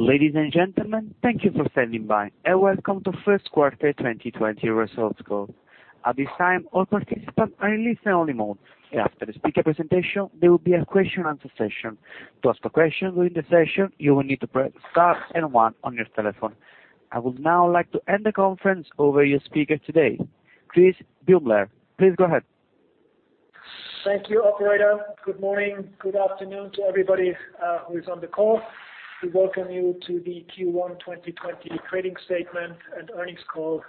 Ladies and gentlemen, thank you for standing by, and welcome to first quarter 2020 results call. At this time, all participants are in listen-only mode. After the speaker presentation, there will be a question-answer-session. To ask a question during the session, you will need to press star one on your telephone. I would now like to hand the conference over to your speaker today, Christoph Beumelburg. Please go ahead. Thank you, operator. Good morning. Good afternoon to everybody who is on the call. We welcome you to the Q1 2020 trading statement and earnings call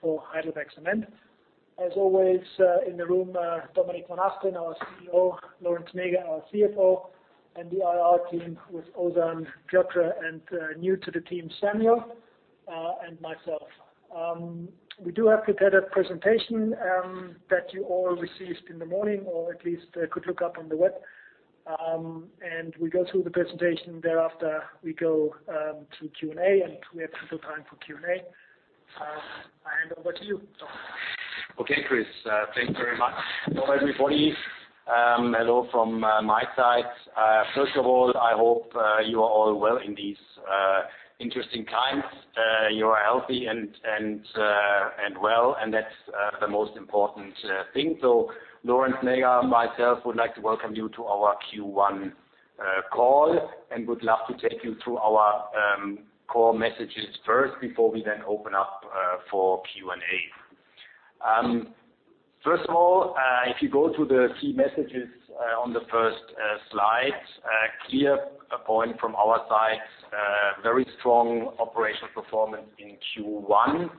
for Heidelberg Cement. As always, in the room, Dominik von Achten, our CEO, Lorenz Näger, our CFO, and the IR team with Ozan, Piotr, and new to the team, Samuel, and myself. We do have prepared a presentation that you all received in the morning or at least could look up on the web, and we go through the presentation. Thereafter, we go to Q&A, and we have ample time for Q&A. I hand over to you, Dominik. Okay, Chris. Thanks very much. Hello, everybody. Hello from my side. First of all, I hope you are all well in these interesting times. You are healthy and well, and that's the most important thing. Lorenz Näger and myself would like to welcome you to our Q1 call and would love to take you through our core messages first before we then open up for Q&A. First of all, if you go to the key messages on the first slide, clear point from our side, very strong operational performance in Q1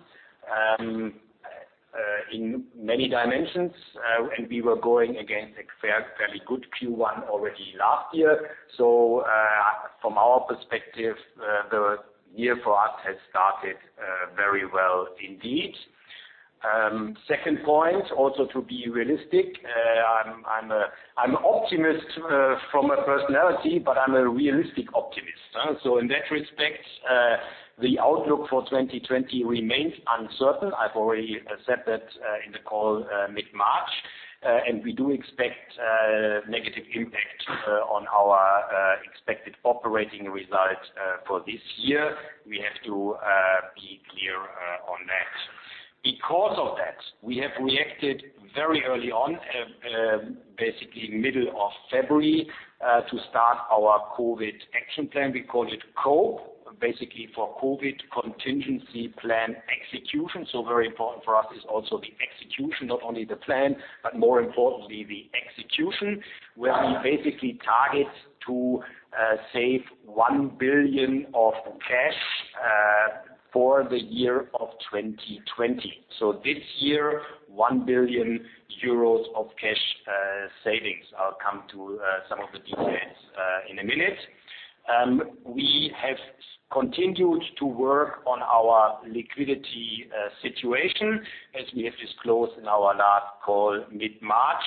in many dimensions, and we were going against a fairly good Q1 already last year. From our perspective, the year for us has started very well indeed. Second point, also to be realistic, I'm optimist from a personality, but I'm a realistic optimist. In that respect, the outlook for 2020 remains uncertain. I've already said that in the call mid-March. We do expect negative impact on our expected operating results for this year. We have to be clear on that. Because of that, we have reacted very early on, basically middle of February, to start our COVID action plan. We called it COPE, basically for COVID contingency plan execution. Very important for us is also the execution, not only the plan, but more importantly, the execution, where we basically target to save 1 billion of cash for the year of 2020. This year, 1 billion euros of cash savings. I'll come to some of the details in a minute. We have continued to work on our liquidity situation as we have disclosed in our last call mid-March.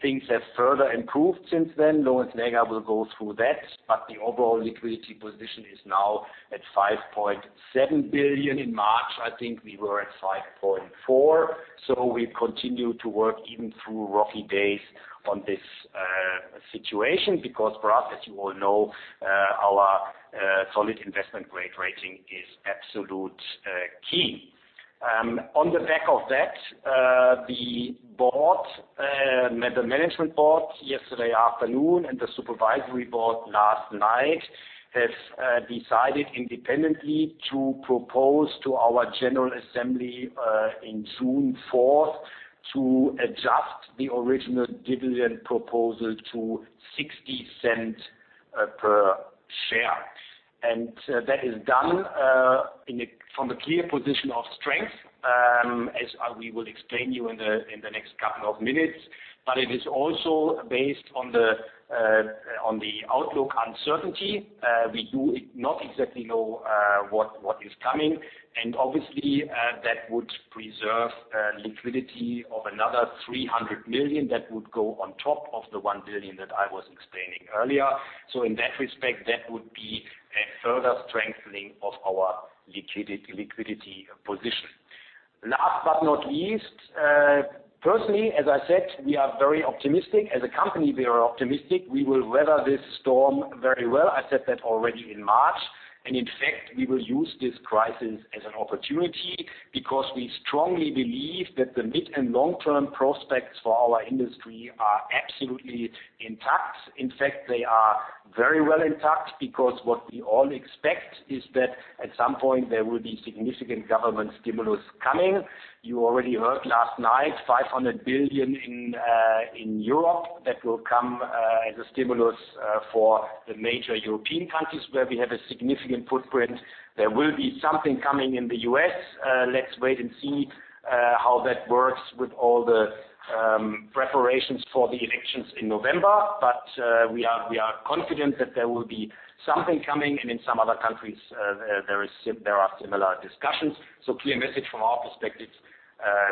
Things have further improved since then. Lorenz Näger will go through that. The overall liquidity position is now at 5.7 billion. In March, I think we were at 5.4 billion. We continue to work even through rocky days on this situation because for us, as you all know, our solid investment grade rating is absolute key. On the back of that, the management board yesterday afternoon and the supervisory board last night have decided independently to propose to our general assembly in June 4th to adjust the original dividend proposal to 0.60 per share. That is done from a clear position of strength, as we will explain you in the next couple of minutes. It is also based on the outlook uncertainty. We do not exactly know what is coming. Obviously, that would preserve liquidity of another 300 million that would go on top of the 1 billion that I was explaining earlier. In that respect, that would be a further strengthening of our liquidity position. Last but not least, personally, as I said, we are very optimistic. As a company, we are optimistic. We will weather this storm very well. I said that already in March. In fact, we will use this crisis as an opportunity because we strongly believe that the mid- and long-term prospects for our industry are absolutely intact. In fact, they are very well intact because what we all expect is that at some point there will be significant government stimulus coming. You already heard last night, 500 billion in Europe that will come as a stimulus for the major European countries where we have a significant footprint. There will be something coming in the US. Let's wait and see how that works with all the preparations for the elections in November. We are confident that there will be something coming, and in some other countries there are similar discussions. Clear message from our perspective,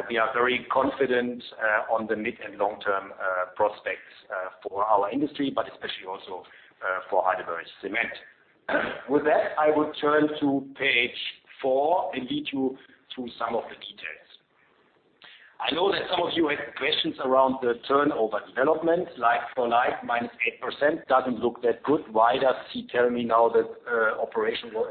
we are very confident on the mid- and long-term prospects for our industry, but especially also for HeidelbergCement. With that, I would turn to page four and lead you through some of the details. I know that some of you had questions around the turnover development, like for like, -8% doesn't look that good. Why does he tell me now that operational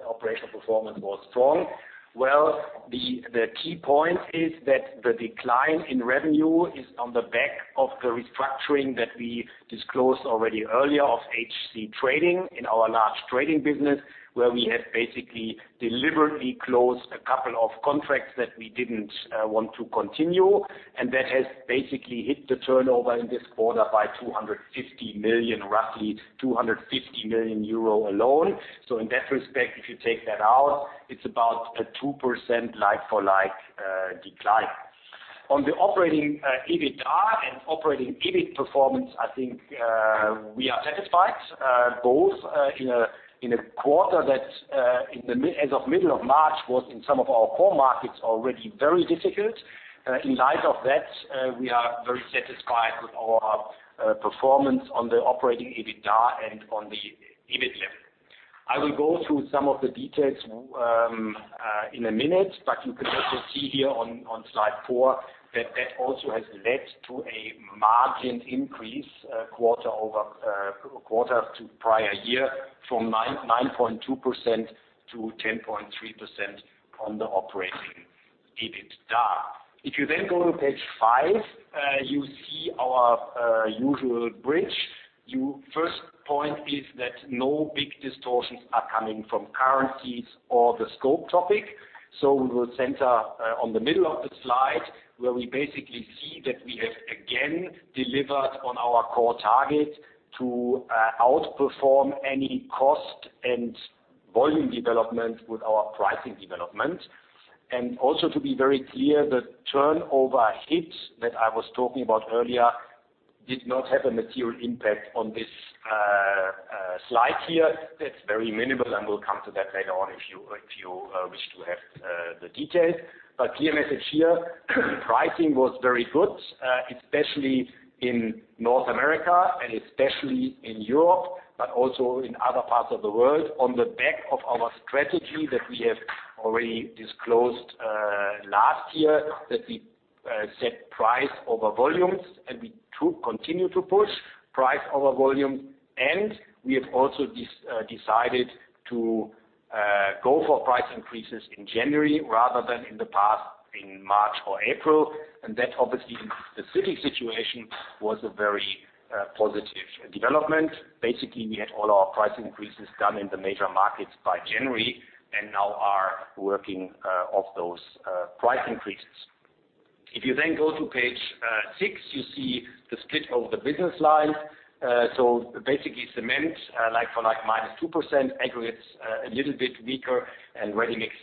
performance was strong? Well, the key point is that the decline in revenue is on the back of the restructuring that we disclosed already earlier of HC Trading in our large trading business, where we have basically deliberately closed a couple of contracts that we didn't want to continue, and that has basically hit the turnover in this quarter by 250 million, roughly 250 million euro alone. In that respect, if you take that out, it's about a 2% like for like decline. On the operating EBITDA and operating EBIT performance, I think we are satisfied, both in a quarter that as of middle of March was in some of our core markets already very difficult. In light of that, we are very satisfied with our performance on the operating EBITDA and on the EBIT level. I will go through some of the details in a minute, but you can also see here on slide four that that also has led to a margin increase quarter to prior year from 9.2%-10.3% on the operating EBITDA. If you go to page five, you see our usual bridge. First point is that no big distortions are coming from currencies or the scope topic. We will center on the middle of the slide, where we basically see that we have again delivered on our core target to outperform any cost and volume development with our pricing development. Also to be very clear, the turnover hit that I was talking about earlier did not have a material impact on this slide here. It's very minimal, and we'll come to that later on if you wish to have the details. Clear message here, pricing was very good, especially in North America and especially in Europe, but also in other parts of the world, on the back of our strategy that we have already disclosed last year, that we set price over volumes, and we continue to push price over volume. We have also decided to go for price increases in January rather than in the past, in March or April. That obviously in the specific situation was a very positive development. Basically, we had all our price increases done in the major markets by January and now are working off those price increases. If you go to page six, you see the split of the business line. Basically cement, like for like, -2%, aggregates a little bit weaker and ready-mix,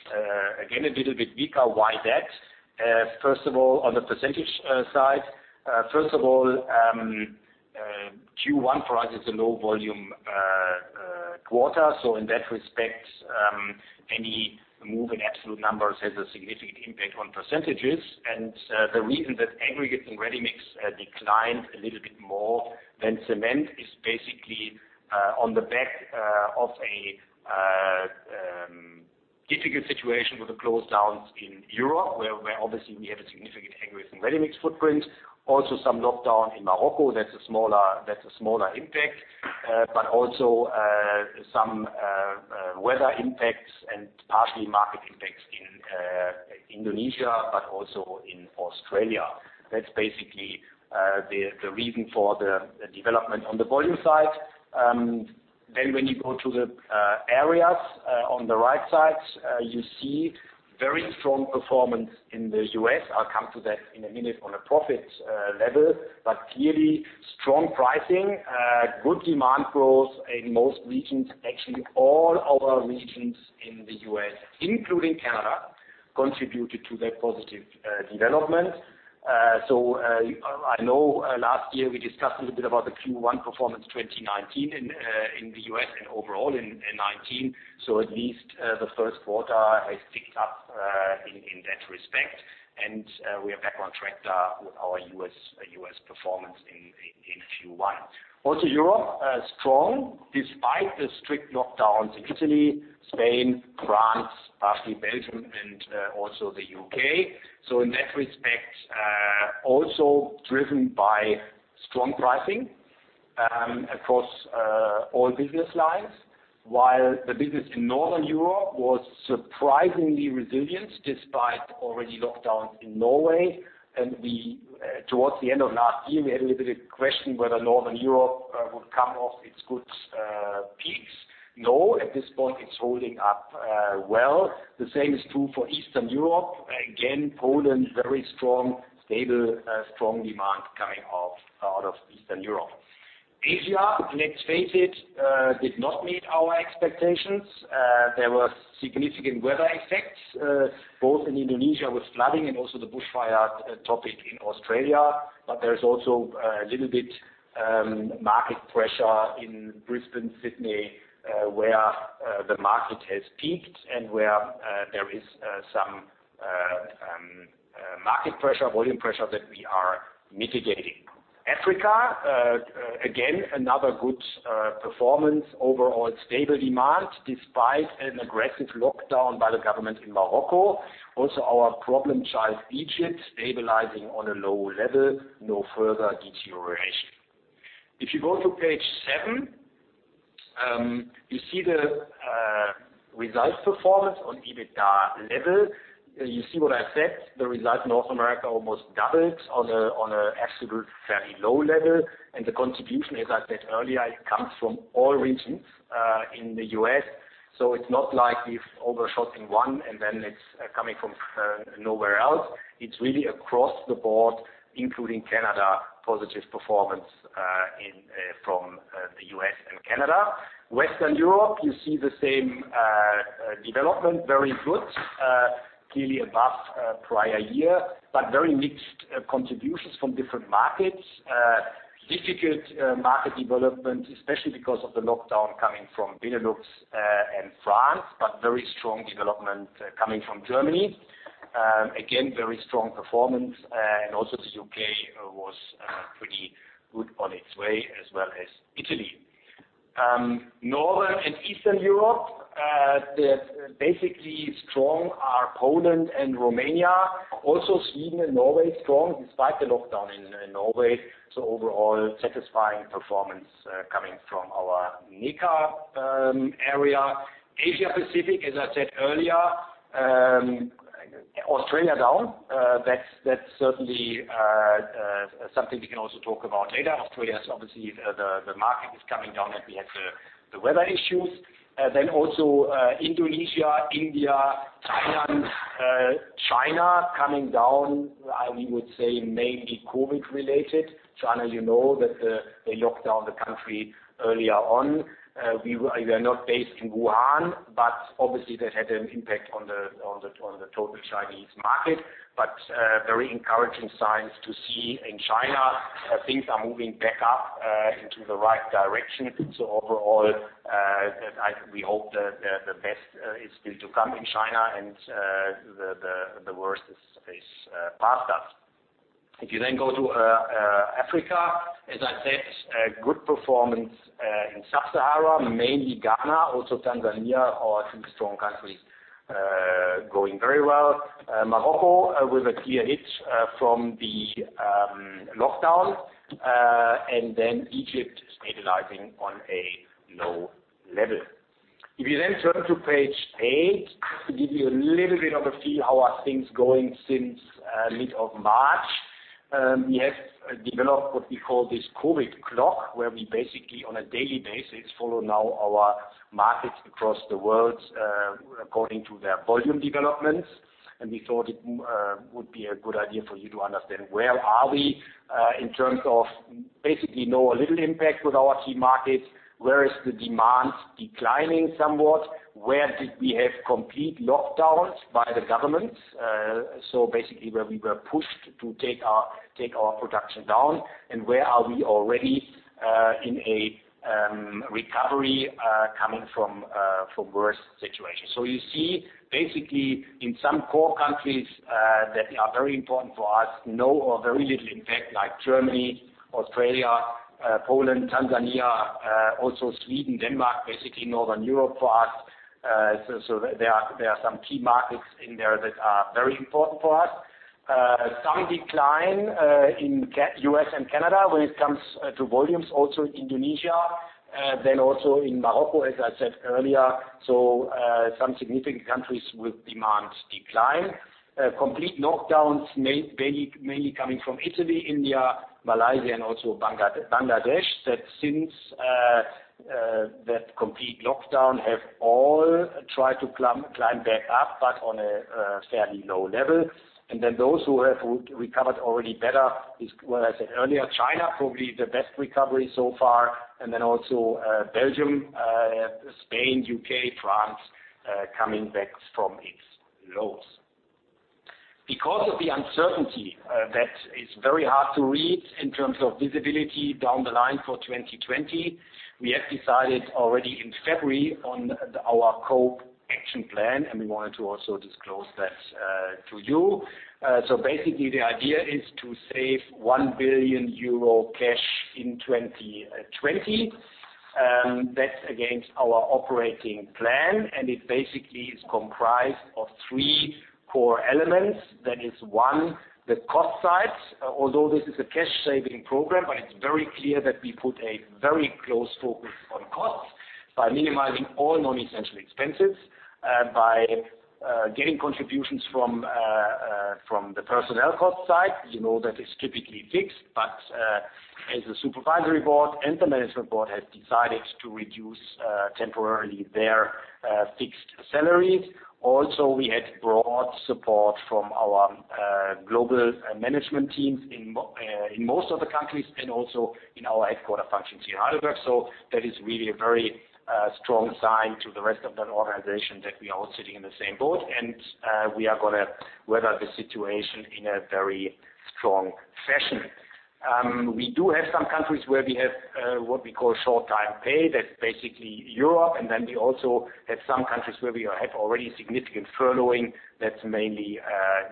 again, a little bit weaker. Why that? First of all, on the percentage side, Q1 for us is a low volume quarter. In that respect, any move in absolute numbers has a significant impact on percentages. The reason that aggregates and ready-mix declined a little bit more than cement is basically on the back of a difficult situation with the closedowns in Europe, where obviously we have a significant aggregates and ready-mix footprint. Some lockdown in Morocco, that's a smaller impact. Also some weather impacts and partly market impacts in Indonesia, but also in Australia. That's basically the reason for the development on the volume side. When you go to the areas on the right side, you see very strong performance in the U.S. I'll come to that in a minute on a profit level. Clearly strong pricing, good demand growth in most regions. Actually, all our regions in the U.S., including Canada, contributed to that positive development. I know last year we discussed a little bit about the Q1 performance 2019 in the U.S. and overall in 2019. At least the first quarter has picked up in that respect. We are back on track with our U.S. performance in Q1. Also Europe, strong despite the strict lockdowns in Italy, Spain, France, partly Belgium, and also the U.K. In that respect, also driven by strong pricing across all business lines, while the business in Northern Europe was surprisingly resilient despite already lockdowns in Norway. Towards the end of last year, we had a little bit of question whether Northern Europe would come off its good peaks. No, at this point it's holding up well. The same is true for Eastern Europe. Again, Poland, very strong, stable, strong demand coming out of Eastern Europe. Asia, let's face it, did not meet our expectations. There were significant weather effects, both in Indonesia with flooding and also the bushfire topic in Australia. There's also a little bit market pressure in Brisbane, Sydney, where the market has peaked and where there is some market pressure, volume pressure that we are mitigating. Africa, again, another good performance. Overall stable demand, despite an aggressive lockdown by the government in Morocco. Also our problem child, Egypt, stabilizing on a low level, no further deterioration. If you go to page seven, you see the results performance on EBITDA level. You see what I said, the result in North America almost doubled on an absolute very low level, and the contribution, as I said earlier, it comes from all regions in the U.S. It's not like we've overshot in one and then it's coming from nowhere else. It's really across the board, including Canada, positive performance from the U.S. and Canada. Western Europe, you see the same development. Very good, clearly above prior year, but very mixed contributions from different markets. Difficult market development, especially because of the lockdown coming from Benelux and France, but very strong development coming from Germany. Again, very strong performance, also the U.K. was pretty good on its way as well as Italy. Northern and Eastern Europe, basically strong are Poland and Romania. Also Sweden and Norway strong despite the lockdown in Norway. Overall satisfying performance coming from our NECA area. Asia Pacific, as I said earlier, Australia down. That's certainly something we can also talk about later. Australia, obviously the market is coming down and we had the weather issues. Also Indonesia, India, Thailand, China coming down, we would say mainly COVID related. China, you know that they locked down the country earlier on. We are not based in Wuhan, but obviously that had an impact on the total Chinese market. Very encouraging signs to see in China, things are moving back up into the right direction. Overall, we hope the best is still to come in China and the worst is passed us. If you then go to Africa, as I said, good performance in Sub-Sahara, mainly Ghana, also Tanzania are two strong countries, going very well. Morocco with a clear hit from the lockdown, and then Egypt stabilizing on a low level. If you then turn to page eight, to give you a little bit of a feel how are things going since mid of March. We have developed what we call this COVID clock, where we basically on a daily basis follow now our markets across the world according to their volume developments. We thought it would be a good idea for you to understand where are we in terms of basically no or little impact with our key markets. Where is the demand declining somewhat? Where did we have complete lockdowns by the government? Basically where we were pushed to take our production down, and where are we already in a recovery coming from worse situations. You see basically in some core countries that are very important for us, no or very little impact like Germany, Australia, Poland, Tanzania, also Sweden, Denmark, basically Northern Europe for us. There are some key markets in there that are very important for us. Some decline in U.S. and Canada when it comes to volumes, also Indonesia. Also in Morocco, as I said earlier, some significant countries with demand decline. Complete lockdowns mainly coming from Italy, India, Malaysia, and also Bangladesh, that since that complete lockdown have all tried to climb back up, but on a fairly low level. Those who have recovered already better is what I said earlier, China probably the best recovery so far. Also Belgium, Spain, U.K., France coming back from its lows. Because of the uncertainty that is very hard to read in terms of visibility down the line for 2020, we have decided already in February on our COPE action plan, and we wanted to also disclose that to you. Basically the idea is to save 1 billion euro cash in 2020. That's against our operating plan, and it basically is comprised of three core elements. That is one, the cost side. Although this is a cash saving program, but it's very clear that we put a very close focus on costs by minimizing all non-essential expenses, by getting contributions from the personnel cost side. You know that is typically fixed, but as a supervisory board and the management board has decided to reduce temporarily their fixed salaries. Also, we had broad support from our global management teams in most of the countries and also in our headquarter functions here in Heidelberg. That is really a very strong sign to the rest of that organization that we are all sitting in the same boat and we are going to weather the situation in a very strong fashion. We do have some countries where we have what we call short time pay, that's basically Europe. We also have some countries where we have already significant furloughing, that's mainly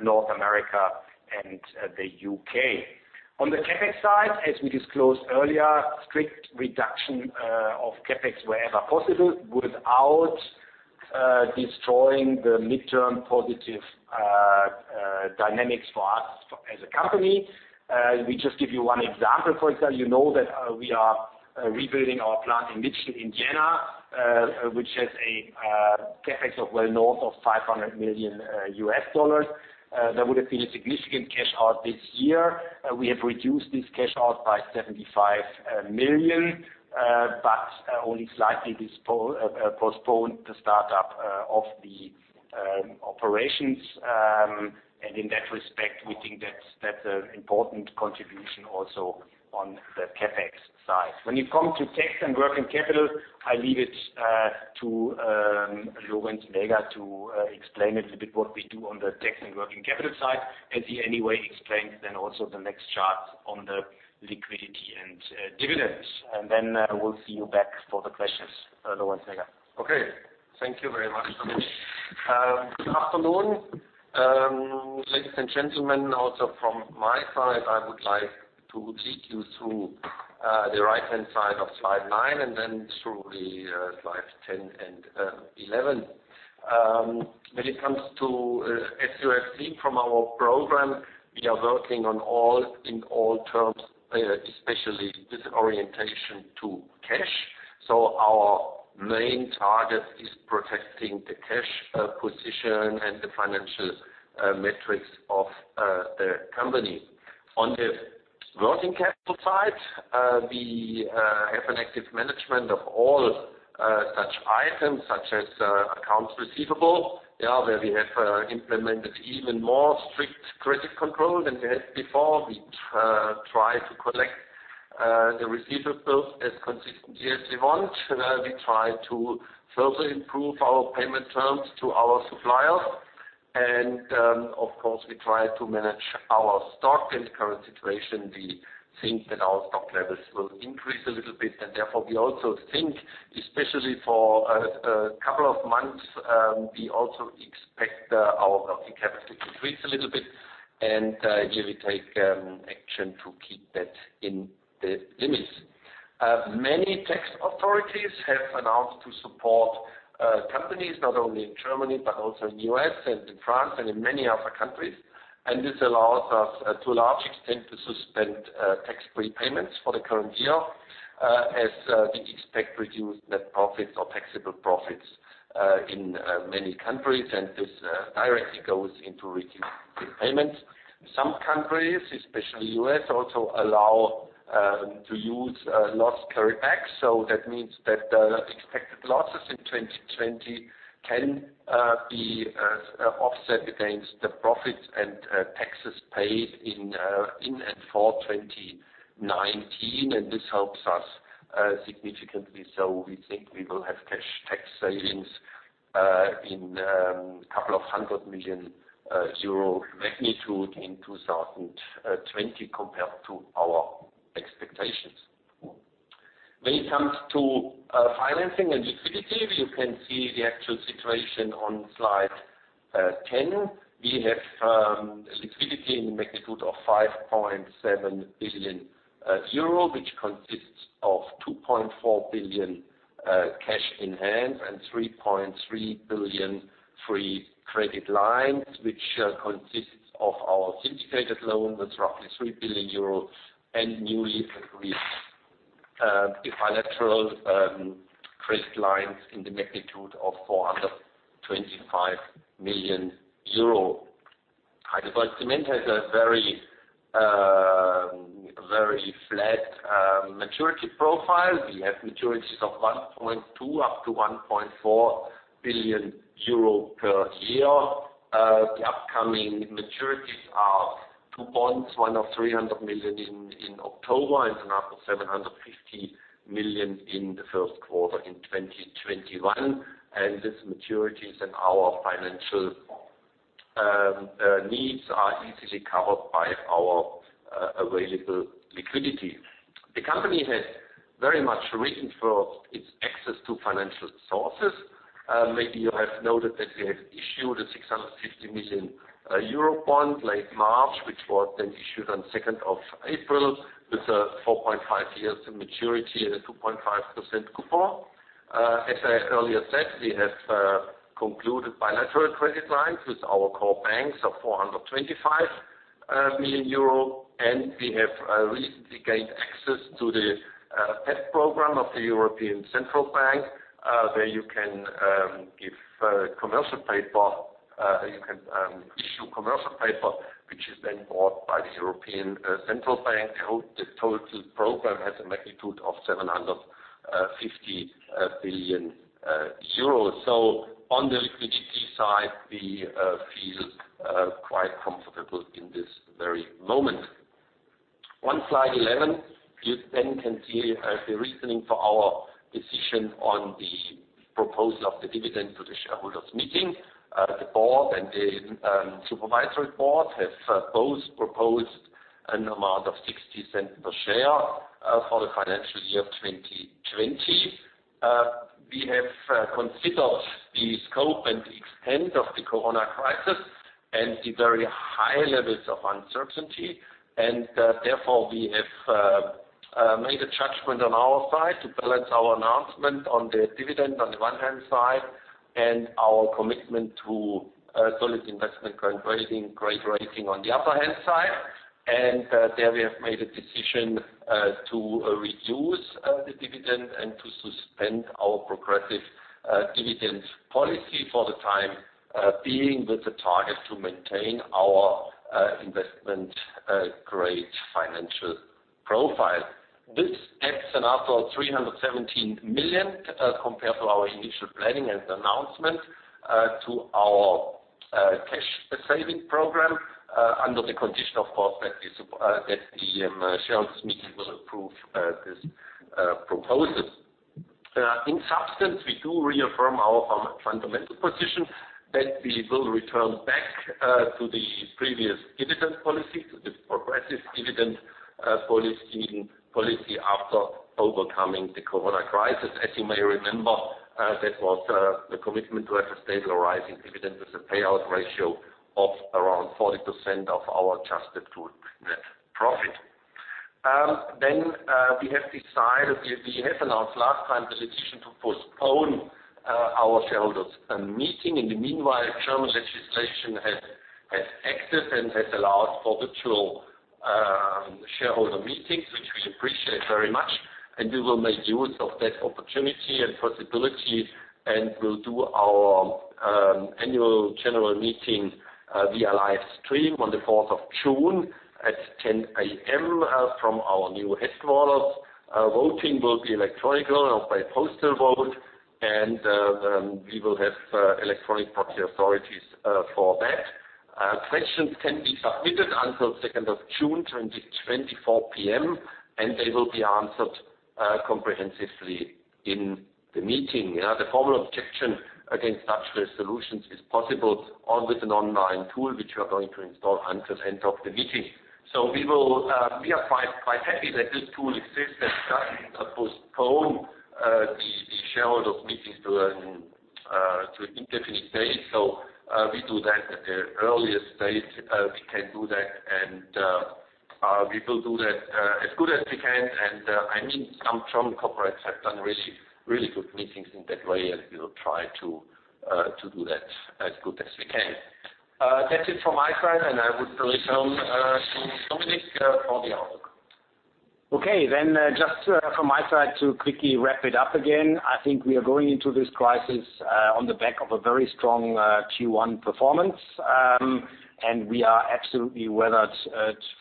North America and the U.K. On the CapEx side, as we disclosed earlier, strict reduction of CapEx wherever possible without destroying the midterm positive dynamics for us as a company. We just give you one example. For example, you know that we are rebuilding our plant in Mittweida in Jena, which has a CapEx of well north of $500 million. That would have been a significant cash out this year. We have reduced this cash out by 75 million, but only slightly postponed the startup of the operations. In that respect, we think that's an important contribution also on the CapEx side. When it comes to tax and working capital, I leave it to Lorenz Näger to explain a little bit what we do on the tax and working capital side, as he anyway explains then also the next chart on the liquidity and dividends. Then we'll see you back for the questions. Lorenz Näger. Okay. Thank you very much, Thomas. Good afternoon. Ladies and gentlemen, also from my side, I would like to take you through the right-hand side of slide nine and then through the slide 10 and 11. When it comes to, as you have seen from our program, we are working in all terms, especially with orientation to cash. Our main target is protecting the cash position and the financial metrics of the company. On the working capital side, we have an active management of all such items, such as accounts receivable, where we have implemented even more strict credit control than we had before. We try to collect the receivables as consistently as we want. We try to further improve our payment terms to our suppliers. Of course, we try to manage our stock. In the current situation, we think that our stock levels will increase a little bit. Therefore, we also think, especially for a couple of months, we also expect our working capital to increase a little bit, and here we take action to keep that in the limits. Many tax authorities have announced to support companies, not only in Germany, but also in U.S. and in France and in many other countries. This allows us to a large extent to suspend tax prepayments for the current year, as we expect reduced net profits or taxable profits in many countries, and this directly goes into reduced prepayments. Some countries, especially U.S., also allow to use loss carryback. That means that the expected losses in 2020 can be offset against the profits and taxes paid in and for 2019, and this helps us significantly. We think we will have cash tax savings in couple of hundred million EUR magnitude in 2020 compared to our expectations. When it comes to financing and liquidity, you can see the actual situation on slide 10. We have liquidity in the magnitude of 5.7 billion euro, which consists of 2.4 billion cash in hand and 3.3 billion free credit lines, which consists of our syndicated loan with roughly 3 billion euro and newly agreed bilateral credit lines in the magnitude of 425 million euro. HeidelbergCement has a very flat maturity profile. We have maturities of 1.2 billion-1.4 billion euro per year. The upcoming maturities are two bonds, one of 300 million in October and another 750 million in the first quarter in 2021. These maturities and our financial needs are easily covered by our available liquidity. The company has very much reached for its access to financial sources. Maybe you have noted that we have issued a 650 million euro bond late March, which was then issued on 2nd of April with a 4.5 years maturity and a 2.5% coupon. As I earlier said, we have concluded bilateral credit lines with our core banks of 425 million euro, and we have recently gained access to the PEPP program of the European Central Bank, where you can issue commercial paper, which is then bought by the European Central Bank. The total program has a magnitude of 750 billion euros. On the liquidity side, we feel quite comfortable in this very moment. On slide 11, you then can see the reasoning for our decision on the proposal of the dividend to the shareholders meeting. The board and the supervisory board have both proposed an amount of 0.60 per share for the financial year of 2020. We have considered the scope and the extent of the COVID crisis and the very high levels of uncertainty. Therefore, we have made a judgment on our side to balance our announcement on the dividend on the one hand side, and our commitment to solid investment-grade rating on the other hand side. There we have made a decision to reduce the dividend and to suspend our progressive dividend policy for the time being, with the target to maintain our investment-grade financial profile. This adds another 317 million compared to our initial planning and announcement to our cash saving program under the condition, of course, that the shareholders meeting will approve these proposals. In substance, we do reaffirm our fundamental position that we will return back to the previous dividend policy, to the progressive dividend policy after overcoming the COVID crisis. As you may remember, that was the commitment to have a stable rising dividend with a payout ratio of around 40% of our adjusted good net profit. We have announced last time the decision to postpone our shareholders meeting. In the meanwhile, German legislation has acted and has allowed for virtual shareholder meetings, which we appreciate very much. We will make use of that opportunity and possibility, and we'll do our annual general meeting via live stream on the 4th of June at 10:00 A.M. from our new headquarters. Voting will be electronic or by postal vote, and we will have electronic proxy authorities for that. Questions can be submitted until 2nd of June 2020, 4:00 P.M., and they will be answered comprehensively in the meeting. The formal objection against such solutions is possible with an online tool, which we are going to install until end of the meeting. We are quite happy that this tool exists that doesn't postpone the shareholders meetings to an indefinite date. We do that at the earliest date we can do that, and we will do that as good as we can. I mean, some German corporates have done really good meetings in that way, and we will try to do that as good as we can. That's it from my side, and I would return to Dominik for the outlook. Okay. Just from my side to quickly wrap it up again. I think we are going into this crisis on the back of a very strong Q1 performance, and we are absolutely weathered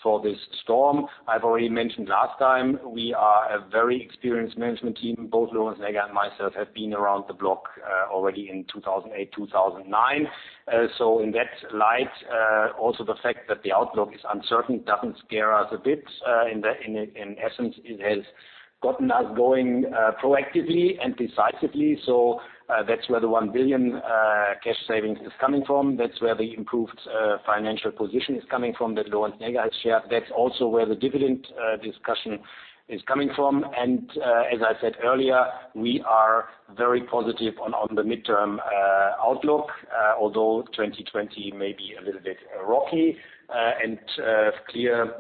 for this storm. I've already mentioned last time, we are a very experienced management team. Both Lorenz Näger and myself have been around the block already in 2008, 2009. In that light, also the fact that the outlook is uncertain doesn't scare us a bit. In essence, it has gotten us going proactively and decisively. That's where the 1 billion cash savings is coming from. That's where the improved financial position is coming from that Lorenz Näger has shared. That's also where the dividend discussion is coming from. As I said earlier, we are very positive on the midterm outlook, although 2020 may be a little bit rocky. Clear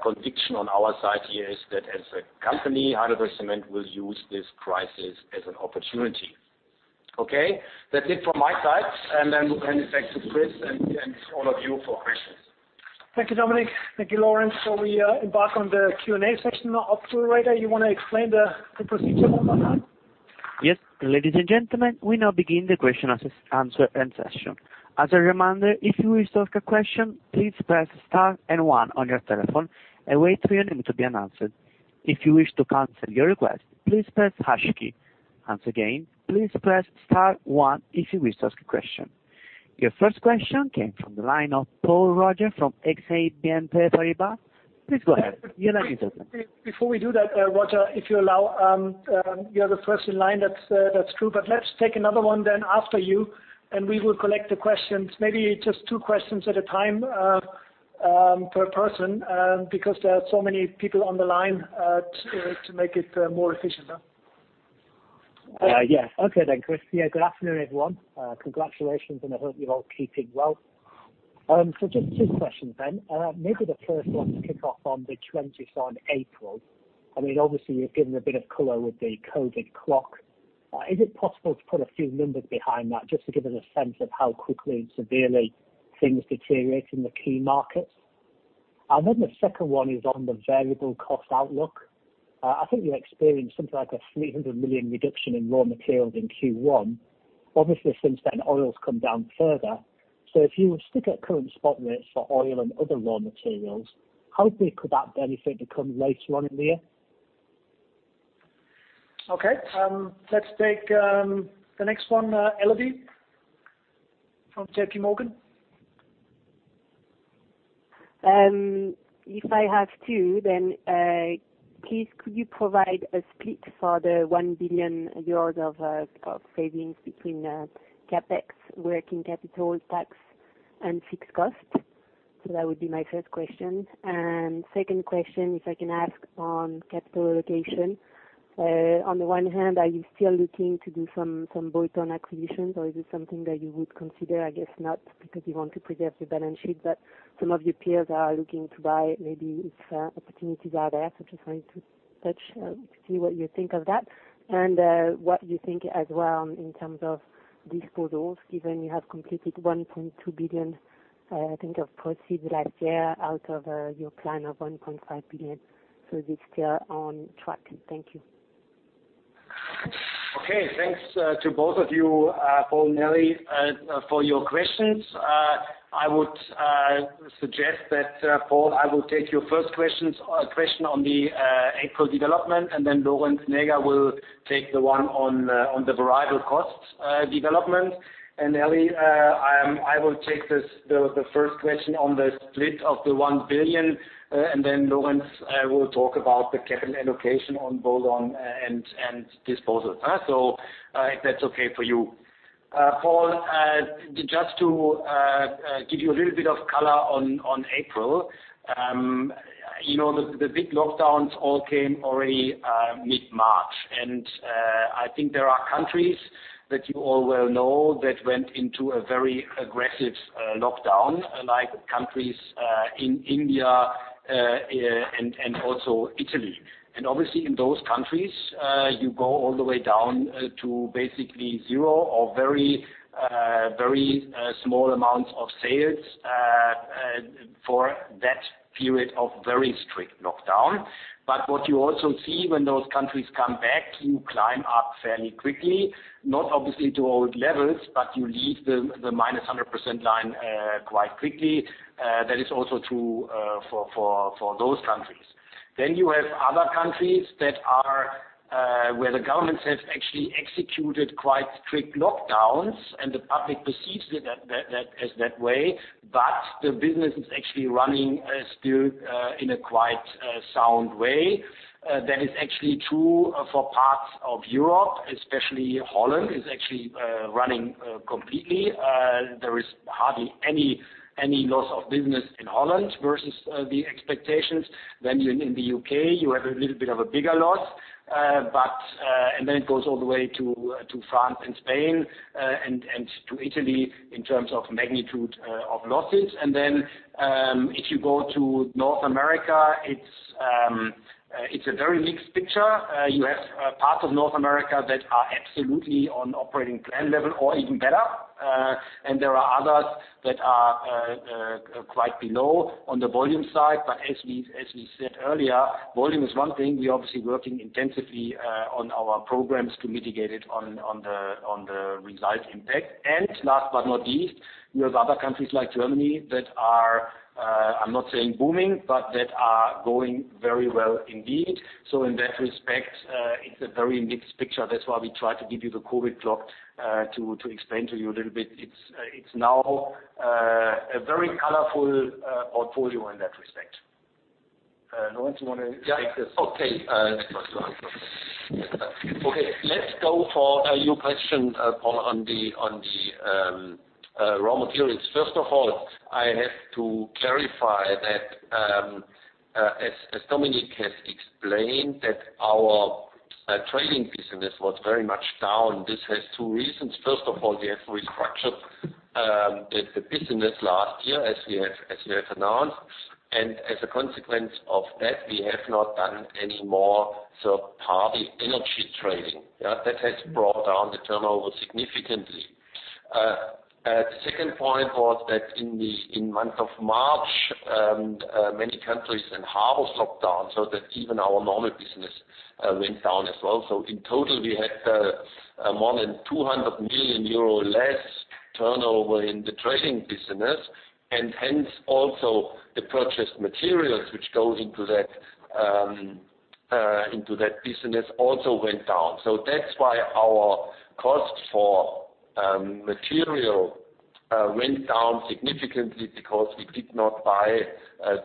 conviction on our side here is that as a company, HeidelbergCement will use this crisis as an opportunity. Okay, that's it from my side, we'll hand it back to Chris and all of you for questions. Thank you, Dominik. Thank you, Lorenz. We embark on the Q&A section. Operator, you want to explain the procedure one more time? Yes. Ladies and gentlemen, we now begin the question-and-answer session. As a reminder, if you wish to ask a question, please press star and one on your telephone and wait for your name to be announced. If you wish to cancel your request, please press hash key. Once again, please press star one if you wish to ask a question. Your first question came from the line of Paul Roger from Exane BNP Paribas. Please go ahead. You are unmuted, sir. Before we do that, Roger, if you allow, you're the first in line, that's true. Let's take another one then after you. We will collect the questions. Maybe just two questions at a time per person, because there are so many people on the line to make it more efficient. Yeah. Okay, Chris. Good afternoon, everyone. Congratulations, I hope you're all keeping well. Just two questions. Maybe the first one to kick off on the 20th on April. I mean, obviously, you've given a bit of color with the COVID clock. Is it possible to put a few numbers behind that just to give us a sense of how quickly and severely things deteriorate in the key markets? The second one is on the variable cost outlook. I think you experienced something like a 300 million reduction in raw materials in Q1. Obviously, since then, oil's come down further. If you stick at current spot rates for oil and other raw materials, how big could that benefit become later on in the year? Okay. Let's take the next one. Elodie from JPMorgan. If I have two, then please could you provide a split for the 1 billion euros of cost savings between CapEx, working capital, tax, and fixed cost? That would be my first question. Second question, if I can ask on capital allocation. On the one hand, are you still looking to do some bolt-on acquisitions, or is it something that you would consider, I guess not because you want to preserve your balance sheet, but some of your peers are looking to buy maybe if opportunities are there? Just wanted to see what you think of that and what you think as well in terms of disposals, given you have completed 1.2 billion, I think, of proceeds last year out of your plan of 1.5 billion? Is it still on track? Thank you. Okay, thanks to both of you, Paul, Nelly, for your questions. I would suggest that Paul, I will take your first question on the April development, then Lorenz Näger will take the one on the variable cost development. Nelly, I will take the first question on the split of the 1 billion, then Lorenz will talk about the capital allocation on bolt-on and disposals. If that's okay for you. Paul, just to give you a little bit of color on April. The big lockdowns all came already mid-March, I think there are countries that you all well know that went into a very aggressive lockdown, like countries in India and also Italy. Obviously in those countries, you go all the way down to basically zero or very small amounts of sales for that period of very strict lockdown. What you also see when those countries come back, you climb up fairly quickly, not obviously to old levels, but you leave the -100% line quite quickly. That is also true for those countries. You have other countries where the government has actually executed quite strict lockdowns, and the public perceives it as that way, but the business is actually running still in a quite sound way. That is actually true for parts of Europe, especially Holland is actually running completely. There is hardly any loss of business in Holland versus the expectations. In the U.K., you have a little bit of a bigger loss. It goes all the way to France and Spain and to Italy in terms of magnitude of losses. If you go to North America, it's a very mixed picture. You have parts of North America that are absolutely on operating plan level or even better. There are others that are quite below on the volume side. As we said earlier, volume is one thing. We're obviously working intensively on our programs to mitigate it on the result impact. Last but not least, you have other countries like Germany that are I'm not saying booming, but that are going very well indeed. In that respect, it's a very mixed picture. That's why we try to give you the COVID clock to explain to you a little bit. It's now a very colorful portfolio in that respect. Lorenz, you want to take this? Let's go for your question, Paul, on the raw materials. I have to clarify that, as Dominik has explained, that our trading business was very much down. This has two reasons. We have restructured the business last year, as we have announced. As a consequence of that, we have not done any more third-party energy trading. That has brought down the turnover significantly. Second point was that in month of March, many countries in half locked down so that even our normal business went down as well. In total, we had more than 200 million euro less turnover in the trading business, and hence also the purchased materials which goes into that business also went down. That's why our costs for material went down significantly because we did not buy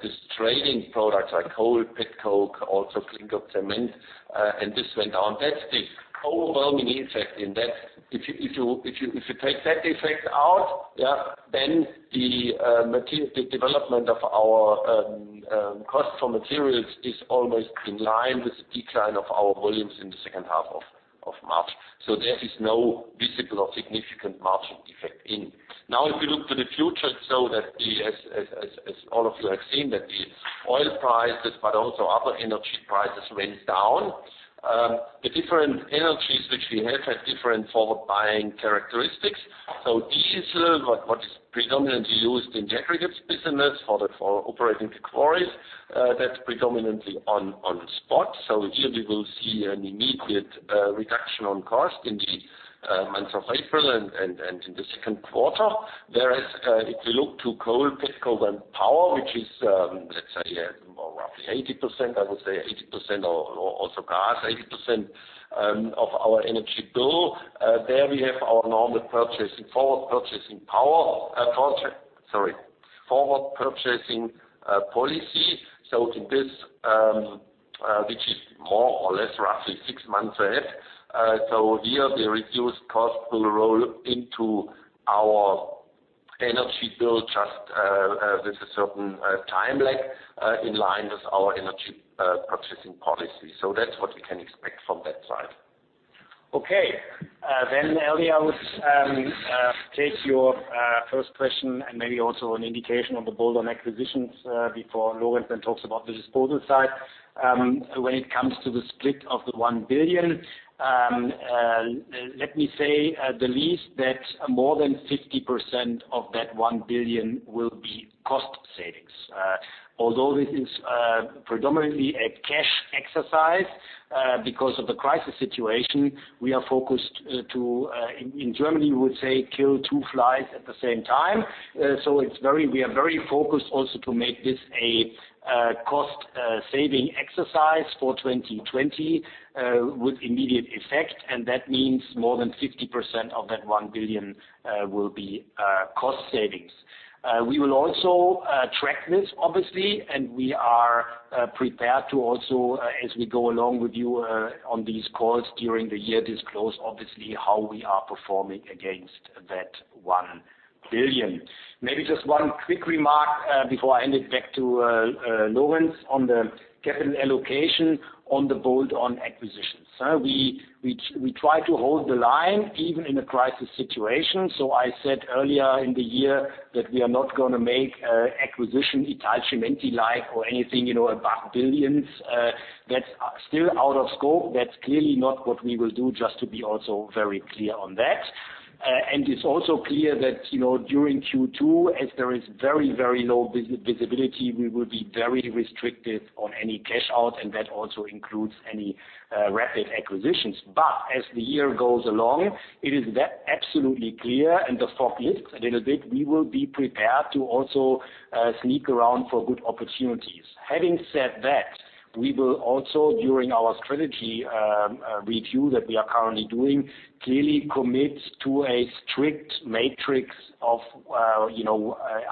these trading products like coal, petcoke, also clinker cement, and this went down. That's the overwhelming effect in that. If you take that effect out, then the development of our cost for materials is almost in line with the decline of our volumes in the second half of March. There is no visible or significant margin effect in. Now, if you look to the future, as all of you have seen that the oil prices, but also other energy prices went down. The different energies which we have had different forward buying characteristics. Diesel, what is predominantly used in decorative business for operating the quarries, that's predominantly on spot. Here we will see an immediate reduction on cost in the month of April and in the second quarter. Whereas if you look to coal, petcoke and power, which is, let's say, roughly 80%, I would say 80% or also gas, 80% of our energy bill. There we have our normal purchasing power. Sorry. Forward purchasing policy. To this, which is more or less roughly six months ahead. Here the reduced cost will roll into our energy bill just with a certain time lag in line with our energy purchasing policy. That's what we can expect from that side. Okay. Elodie, I would take your first question and maybe also an indication on the bolt-on acquisitions before Lorenz then talks about the disposal side. When it comes to the split of the 1 billion, let me say the least, that more than 50% of that 1 billion will be cost savings. Although this is predominantly a cash exercise because of the crisis situation, we are focused to, in Germany we would say, kill two flies at the same time. We are very focused also to make this a cost-saving exercise for 2020 with immediate effect, and that means more than 50% of that 1 billion will be cost savings. We will also track this obviously, and we are prepared to also, as we go along with you on these calls during the year, disclose obviously how we are performing against that 1 billion. Maybe just one quick remark before I hand it back to Lorenz on the capital allocation on the bolt-on acquisitions. We try to hold the line even in a crisis situation. I said earlier in the year that we are not going to make acquisition Italcementi like or anything above billions. That's still out of scope. That's clearly not what we will do, just to be also very clear on that. It's also clear that during Q2, as there is very low visibility, we will be very restricted on any cash out, and that also includes any rapid acquisitions. As the year goes along, it is absolutely clear and the fog lifts a little bit, we will be prepared to also sneak around for good opportunities. Having said that, we will also, during our strategy review that we are currently doing, clearly commit to a strict matrix of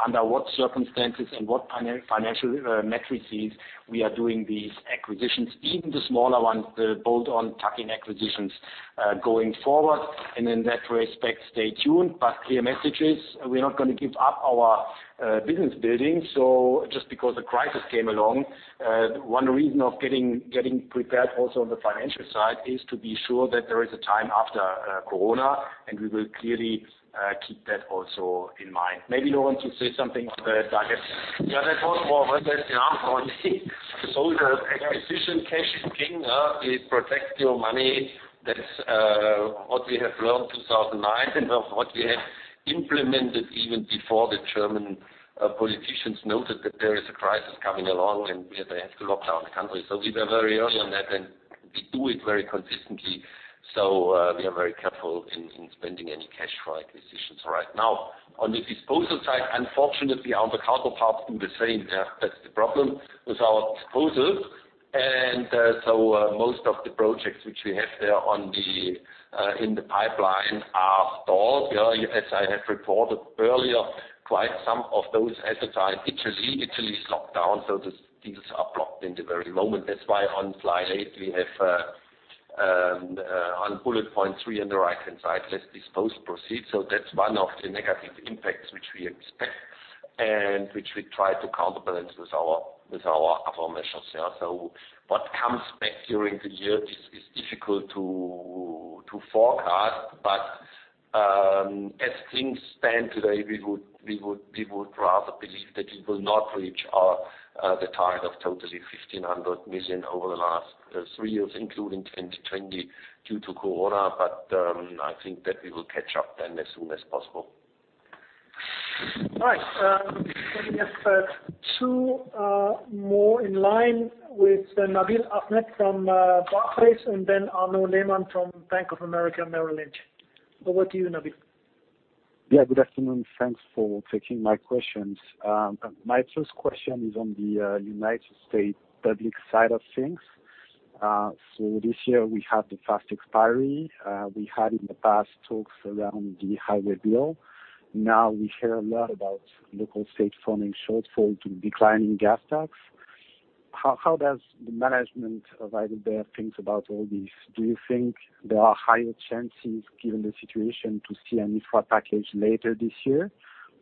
under what circumstances and what financial matrices we are doing these acquisitions, even the smaller ones, the bolt-on tuck-in acquisitions going forward. In that respect, stay tuned. Clear message is, we're not going to give up our business building just because the crisis came along. One reason of getting prepared also on the financial side is to be sure that there is a time after COVID, and we will clearly keep that also in mind. Maybe, Lorenz, you say something on the target. Yeah, that was more for you. The acquisition, cash is king. It protects your money. That's what we have learned 2009 and what we have implemented even before the German politicians noted that there is a crisis coming along and they have to lock down the country. We were very early on that and we do it very consistently. We are very careful in spending any cash for acquisitions right now. On the disposal side, unfortunately, our counterparts do the same. That's the problem with our disposals. Most of the projects which we have there in the pipeline are stalled. As I have reported earlier, quite some of those had the time Italy's locked down. These are blocked in the very moment. That's why on slide eight we have on bullet point three on the right-hand side, "Let disposals proceed." That's one of the negative impacts which we expect and which we try to counterbalance with our other measures. What comes back during the year is difficult to forecast, but as things stand today, we would rather believe that we will not reach the target of totally 1,500 million over the last three years, including 2020 due to corona. I think that we will catch up then as soon as possible. All right. We have two more in line with Nabil Ahmed from Barclays and then Arnaud Lehmann from Bank of America Merrill Lynch. Over to you, Nabil. Yeah, good afternoon. Thanks for taking my questions. My first question is on the United States public side of things. This year we had the FAST Act expiry. We had in the past talks around the highway bill. Now we hear a lot about local state funding shortfall to declining gas tax. How does the management of Heidelberg think about all this? Do you think there are higher chances given the situation to see an infrastructure package later this year?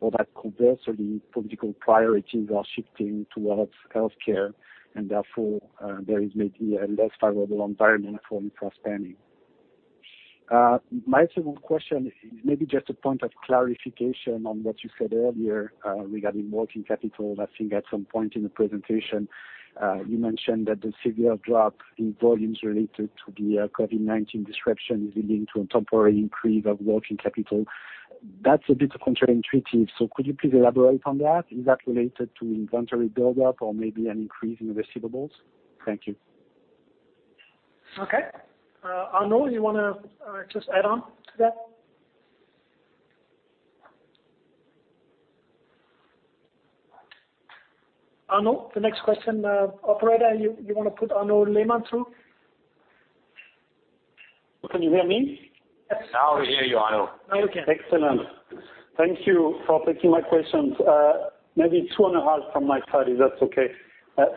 Or that conversely political priorities are shifting towards healthcare and therefore there is maybe a less favorable environment for infrastructure spending? My second question is maybe just a point of clarification on what you said earlier regarding working capital. I think at some point in the presentation you mentioned that the severe drop in volumes related to the COVID-19 disruption is leading to a temporary increase of working capital. That's a bit counterintuitive. Could you please elaborate on that? Is that related to inventory buildup or maybe an increase in receivables? Thank you. Okay. Arnaud, you want to just add on to that? Arnaud, the next question. Operator, you want to put Arnaud Lehmann through? Can you hear me? Yes. Now we hear you, Arnaud. Now we can. Excellent. Thank you for taking my questions. Maybe two and a half from my side, if that's okay.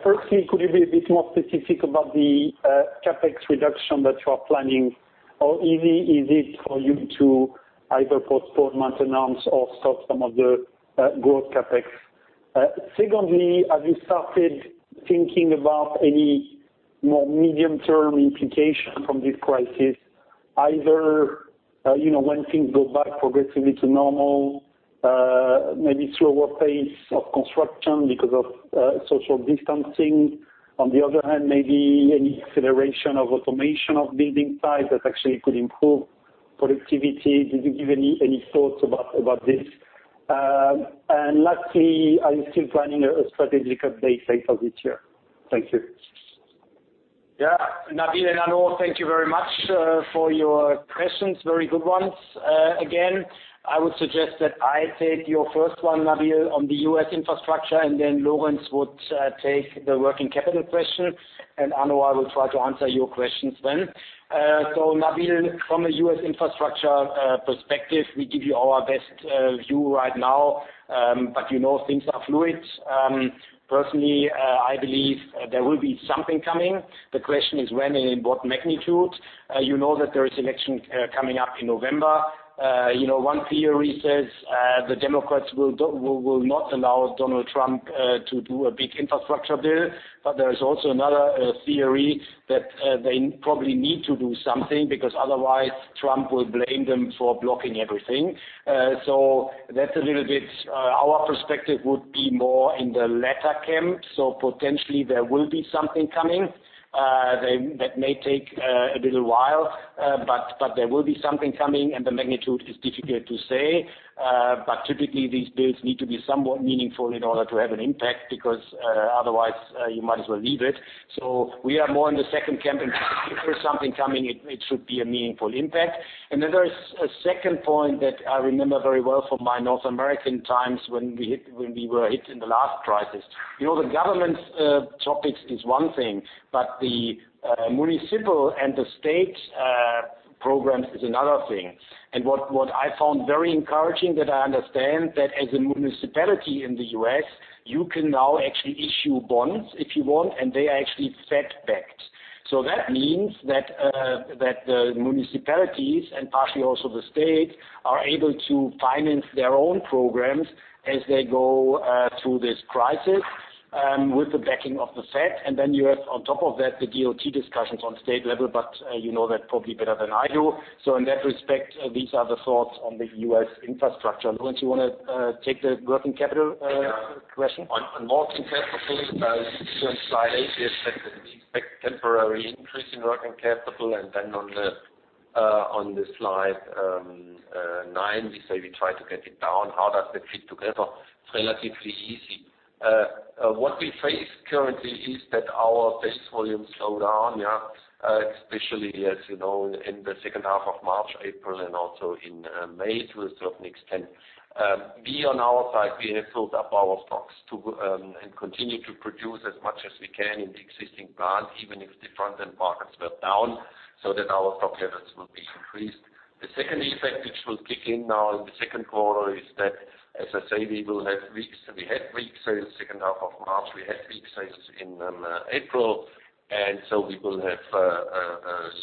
Firstly, could you be a bit more specific about the CapEx reduction that you are planning? How easy is it for you to either postpone maintenance or stop some of the growth CapEx? Secondly, have you started thinking about any more medium-term implication from this crisis? Either when things go back progressively to normal, maybe slower pace of construction because of social distancing. On the other hand, maybe any acceleration of automation of building sites that actually could improve productivity. Did you give any thoughts about this? Lastly, are you still planning a strategic update later this year? Thank you. Nabil and Arnaud, thank you very much for your questions. Very good ones. I would suggest that I take your first one, Nabil, on the U.S. infrastructure, and then Lorenz would take the working capital question, and Arnaud, I will try to answer your questions then. Nabil, from a U.S. infrastructure perspective, we give you our best view right now. You know things are fluid. Personally, I believe there will be something coming. The question is when and in what magnitude. You know that there is election coming up in November. One theory says the Democrats will not allow Donald Trump to do a big infrastructure bill, but there is also another theory that they probably need to do something, because otherwise Trump will blame them for blocking everything. Our perspective would be more in the latter camp. Potentially there will be something coming. That may take a little while. There will be something coming and the magnitude is difficult to say. Typically these bills need to be somewhat meaningful in order to have an impact, because otherwise you might as well leave it. We are more in the second camp and if there's something coming, it should be a meaningful impact. Then there is a second point that I remember very well from my North American times when we were hit in the last crisis. The government topics is one thing, but the municipal and the state programs is another thing. What I found very encouraging that I understand that as a municipality in the U.S., you can now actually issue bonds if you want, and they are actually Fed backed. That means that the municipalities and partly also the state, are able to finance their own programs as they go through this crisis, with the backing of the Fed. You have on top of that the DOT discussions on state level, but you know that probably better than I do. In that respect, these are the thoughts on the U.S. infrastructure. Lorenz, you want to take the working capital question? On working capital, on slide eight we expect temporary increase in working capital and then on slide nine, we say we try to get it down. How does that fit together? It's relatively easy. What we face currently is that our base volumes slow down, especially as you know in the second half of March, April, and also in May, will certainly extend. We on our side, we have built up our stocks and continue to produce as much as we can in the existing plant, even if the front end markets were down, so that our stock levels will be increased. The second effect which will kick in now in the second quarter is that, as I say, we had weak sales second half of March. We had weak sales in April. We will have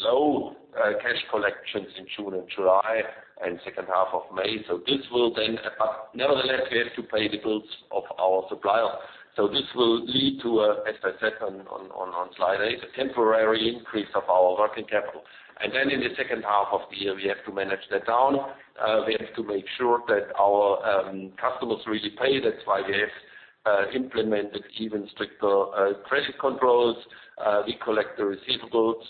low cash collections in June and July and second half of May. Nevertheless, we have to pay the bills of our suppliers. This will lead to, as I said on slide eight, a temporary increase of our working capital. In the second half of the year, we have to manage that down. We have to make sure that our customers really pay. That's why we have implemented even stricter credit controls. We collect the receivables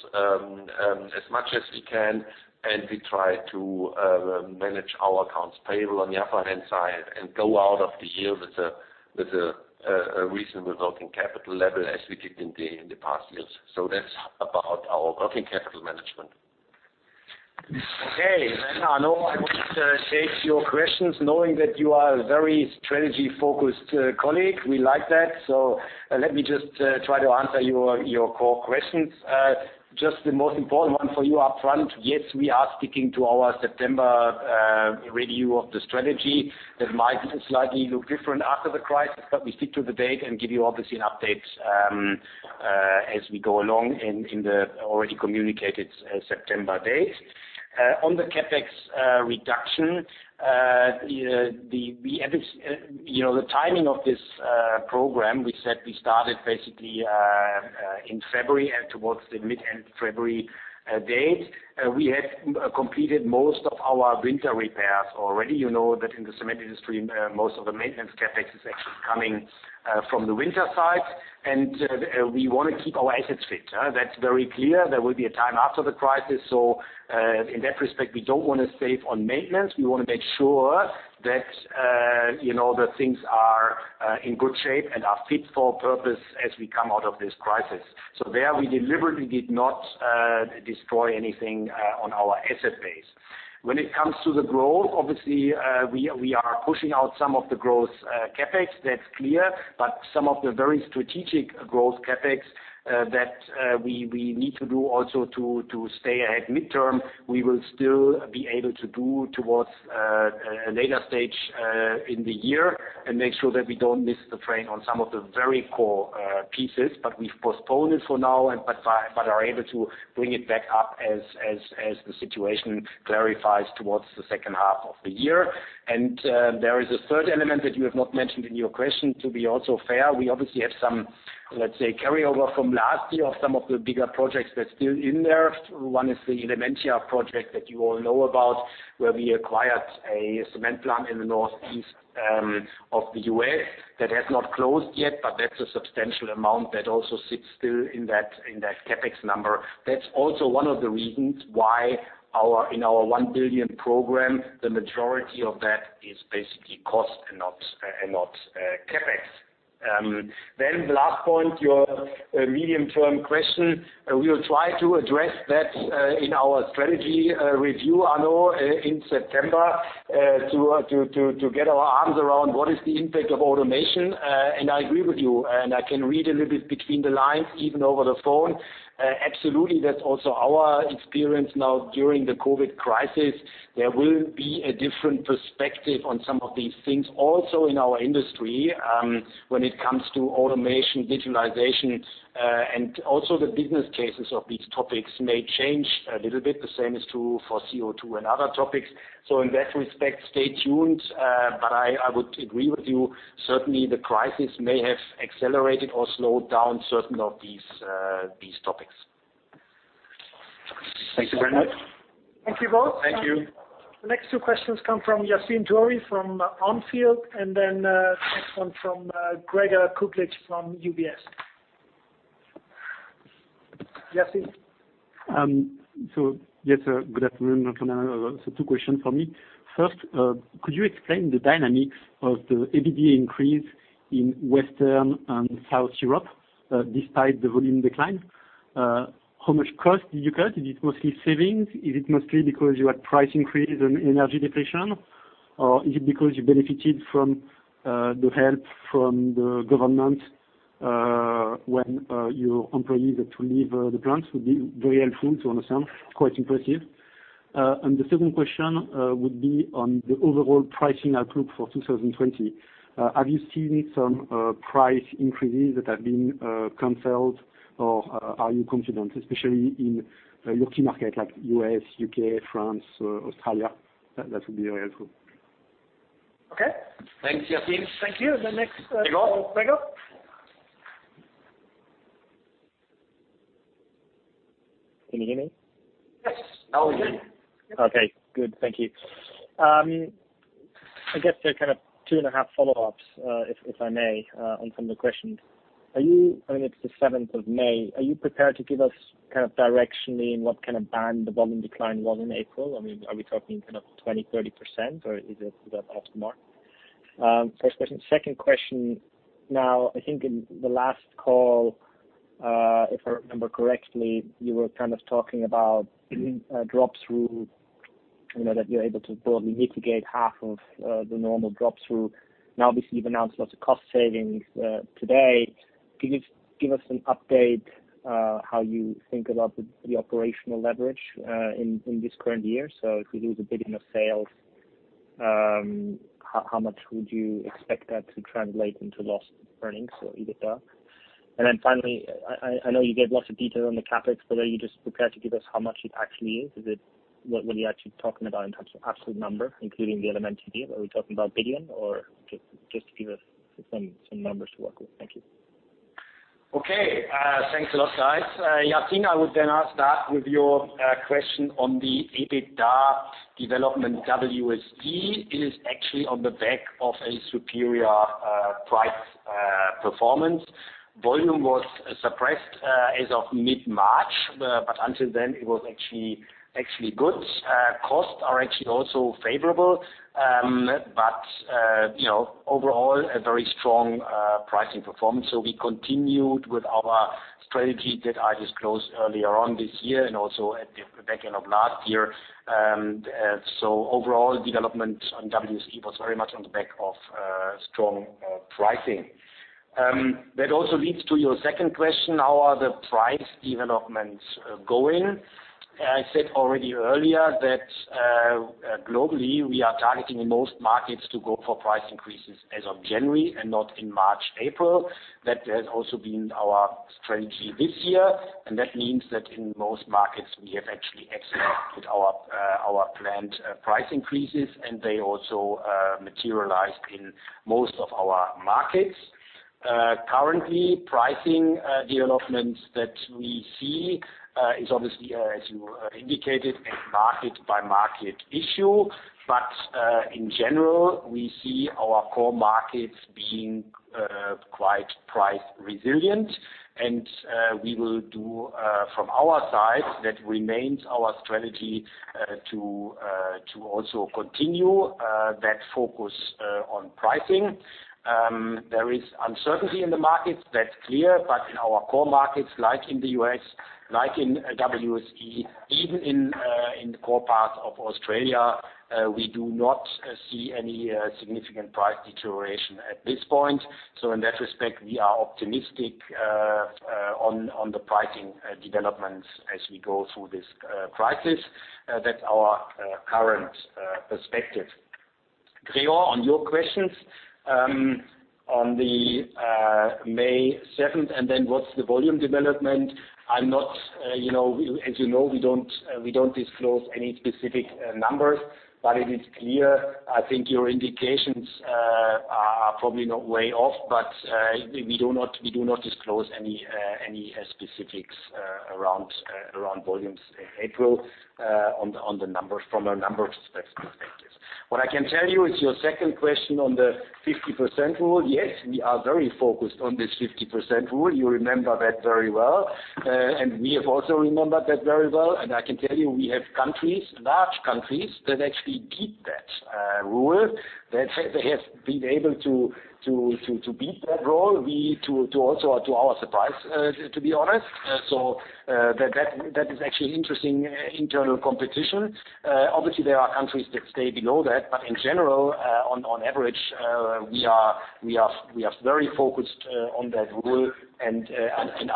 as much as we can, and we try to manage our accounts payable on the other hand side and go out of the year with a reasonable working capital level as we did in the past years. That's about our working capital management. Okay. Arnaud, I would like to take your questions knowing that you are a very strategy focused colleague. We like that. Let me just try to answer your core questions. Just the most important one for you up front. Yes, we are sticking to our September review of the strategy. That might slightly look different after the crisis, but we stick to the date and give you obviously an update as we go along in the already communicated September date. On the CapEx reduction, the timing of this program, we said we started basically in February and towards the mid-end February date. We had completed most of our winter repairs already. You know that in the cement industry, most of the maintenance CapEx is actually coming from the winter side. We want to keep our assets fit. That's very clear. There will be a time after the crisis. In that respect, we don't want to save on maintenance. We want to make sure that the things are in good shape and are fit for purpose as we come out of this crisis. There we deliberately did not destroy anything on our asset base. When it comes to the growth, obviously, we are pushing out some of the growth CapEx. That's clear. Some of the very strategic growth CapEx that we need to do also to stay ahead midterm, we will still be able to do towards a later stage in the year and make sure that we don't miss the train on some of the very core pieces. We've postponed it for now, but are able to bring it back up as the situation clarifies towards the second half of the year. There is a third element that you have not mentioned in your question, to be also fair. We obviously have some, let's say, carryover from last year of some of the bigger projects that's still in there. One is the Elementia project that you all know about, where we acquired a cement plant in the northeast of the U.S. That has not closed yet, but that's a substantial amount that also sits still in that CapEx number. That's also one of the reasons why in our 1 billion program, the majority of that is basically cost and not CapEx. The last point, your medium-term question, we will try to address that in our strategy review, Arnaud, in September, to get our arms around what is the impact of automation. I agree with you, and I can read a little bit between the lines, even over the phone. Absolutely, that's also our experience now during the COVID crisis. There will be a different perspective on some of these things also in our industry when it comes to automation, digitalization, and also the business cases of these topics may change a little bit, the same as for CO2 and other topics. In that respect, stay tuned, but I would agree with you, certainly the crisis may have accelerated or slowed down certain of these topics. Thank you very much. Thank you both. Thank you. The next two questions come from Yassine Touahri from On Field, and then next one from Gregor Kuglitsch from UBS. Yassine. Yes, sir. Good afternoon. Two questions for me. First, could you explain the dynamics of the EBITDA increase in Western and South Europe despite the volume decline? How much cost did you cut? Is it mostly savings? Is it mostly because you had price increase and energy deflation? Is it because you benefited from the help from the government when your employees had to leave the plants? Would be very helpful to understand. Quite impressive. The second question would be on the overall pricing outlook for 2020. Have you seen some price increases that have been canceled or are you confident, especially in your key market like U.S., U.K., France, Australia? That would be very helpful. Okay. Thanks, Yassine. Thank you. Gregor Gregor. Can you hear me? Yes. Now we can. Okay, good. Thank you. I guess there are kind of two and a half follow-ups, if I may, on some of the questions. It's the 7th of May. Are you prepared to give us directionally in what kind of band the volume decline was in April? Are we talking 20%, 30%, or is that off the mark? First question. Second question, I think in the last call, if I remember correctly, you were talking about drop through, that you're able to broadly mitigate half of the normal drop through. Obviously, you've announced lots of cost savings today. Can you give us an update how you think about the operational leverage in this current year? If we lose 1 billion of sales, how much would you expect that to translate into lost earnings or EBITDA? Finally, I know you gave lots of detail on the CapEx, are you just prepared to give us how much it actually is? What are you actually talking about in terms of absolute number, including the Elementia? Are we talking about billion or just to give us some numbers to work with? Thank you. Okay. Thanks a lot, guys. Yassine, I would start with your question on the EBITDA development WSE. It is actually on the back of a superior price performance. Volume was suppressed as of mid-March, but until then, it was actually good. Costs are actually also favorable. Overall, a very strong pricing performance. We continued with our strategy that I disclosed earlier on this year and also at the back end of last year. Overall, development on WSE was very much on the back of strong pricing. That also leads to your second question, how are the price developments going? I said already earlier that globally, we are targeting in most markets to go for price increases as of January and not in March, April. That has also been our strategy this year. That means that in most markets, we have actually executed our planned price increases. They also materialized in most of our markets. Currently, pricing developments that we see is obviously, as you indicated, a market-by-market issue. In general, we see our core markets being quite price resilient. We will do from our side, that remains our strategy to also continue that focus on pricing. There is uncertainty in the markets, that's clear. In our core markets, like in the U.S., like in WSE, even in the core parts of Australia, we do not see any significant price deterioration at this point. In that respect, we are optimistic on the pricing developments as we go through this crisis. That's our current perspective. Gregor, on your questions. On the May 7th, what's the volume development, as you know, we don't disclose any specific numbers, but it is clear. I think your indications are probably not way off, but we do not disclose any specifics around volumes in April from a numbers perspective. What I can tell you is your second question on the 50% rule. Yes, we are very focused on this 50% rule. You remember that very well. We have also remembered that very well. I can tell you, we have large countries that actually keep that rule, that they have been able to beat that rule, also to our surprise, to be honest. That is actually interesting internal competition. Obviously, there are countries that stay below that, but in general, on average, we are very focused on that rule and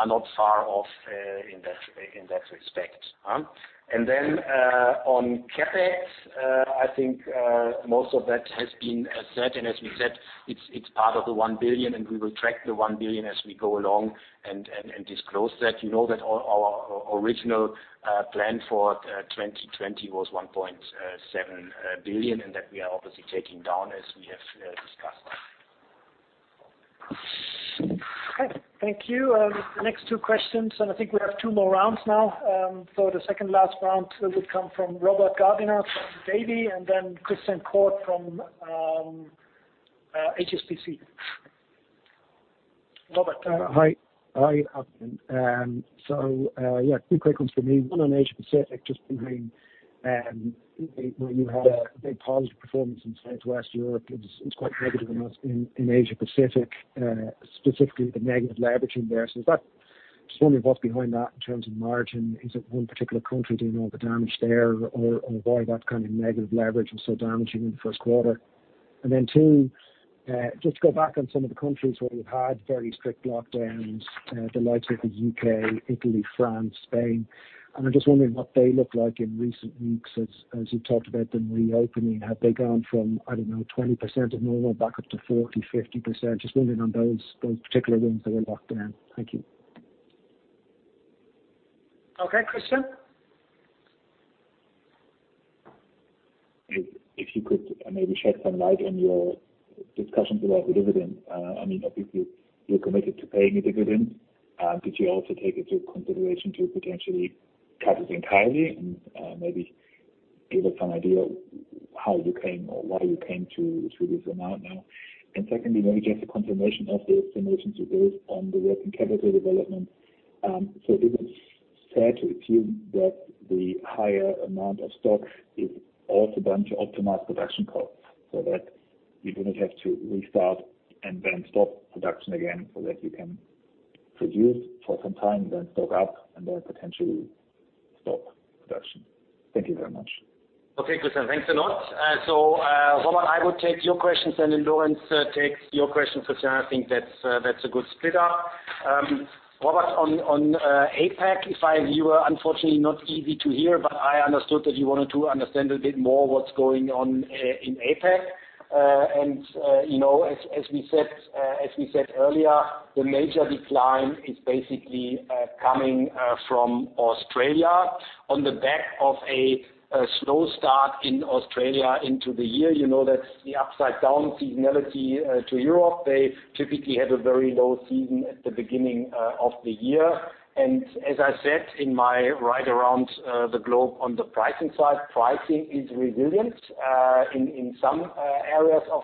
are not far off in that respect. On CapEx, I think most of that has been said, and as we said, it's part of the 1 billion, and we will track the 1 billion as we go along and disclose that. You know that our original plan for 2020 was 1.7 billion, that we are obviously taking down, as we have discussed. Okay. Thank you. The next two questions. I think we have two more rounds now. The second last round would come from Robert Gardiner from Davy, and then Christian Korth from HSBC. Robert. Hi. Yeah, two quick ones from me. One on Asia Pacific, just wondering, you had a big positive performance in Southwest Europe. It's quite negative in Asia Pacific, specifically the negative leverage in there. Just wondering what's behind that in terms of margin. Is it one particular country doing all the damage there, or why that kind of negative leverage was so damaging in the first quarter? Two, just go back on some of the countries where you've had very strict lockdowns, the likes of the U.K., Italy, France, Spain, and I'm just wondering what they look like in recent weeks as you talked about them reopening. Have they gone from, I don't know, 20% of normal back up to 40%, 50%? Just wondering on those particular ones that were locked down. Thank you. Okay, Christian. If you could maybe shed some light on your discussions about the dividend. Obviously, you're committed to paying the dividend. Did you also take into consideration to potentially cut it entirely? Maybe give us some idea how you came or why you came to this amount now. Secondly, maybe just a confirmation of the assumptions you gave on the working capital development. Is it fair to assume that the higher amount of stock is also done to optimize production costs, so that you do not have to restart and then stop production again, so that you can produce for some time, then stock up, and then potentially stop production? Thank you very much. Okay, Christian. Thanks a lot. Robert, I would take your questions, and then Lorenz takes your questions, Christian. I think that's a good split up. Robert, on APAC, you were unfortunately not easy to hear, but I understood that you wanted to understand a bit more what's going on in APAC. As we said earlier, the major decline is basically coming from Australia on the back of a slow start in Australia into the year. You know that's the upside down seasonality to Europe. They typically have a very low season at the beginning of the year. As I said in my ride around the globe on the pricing side, pricing is resilient in some areas of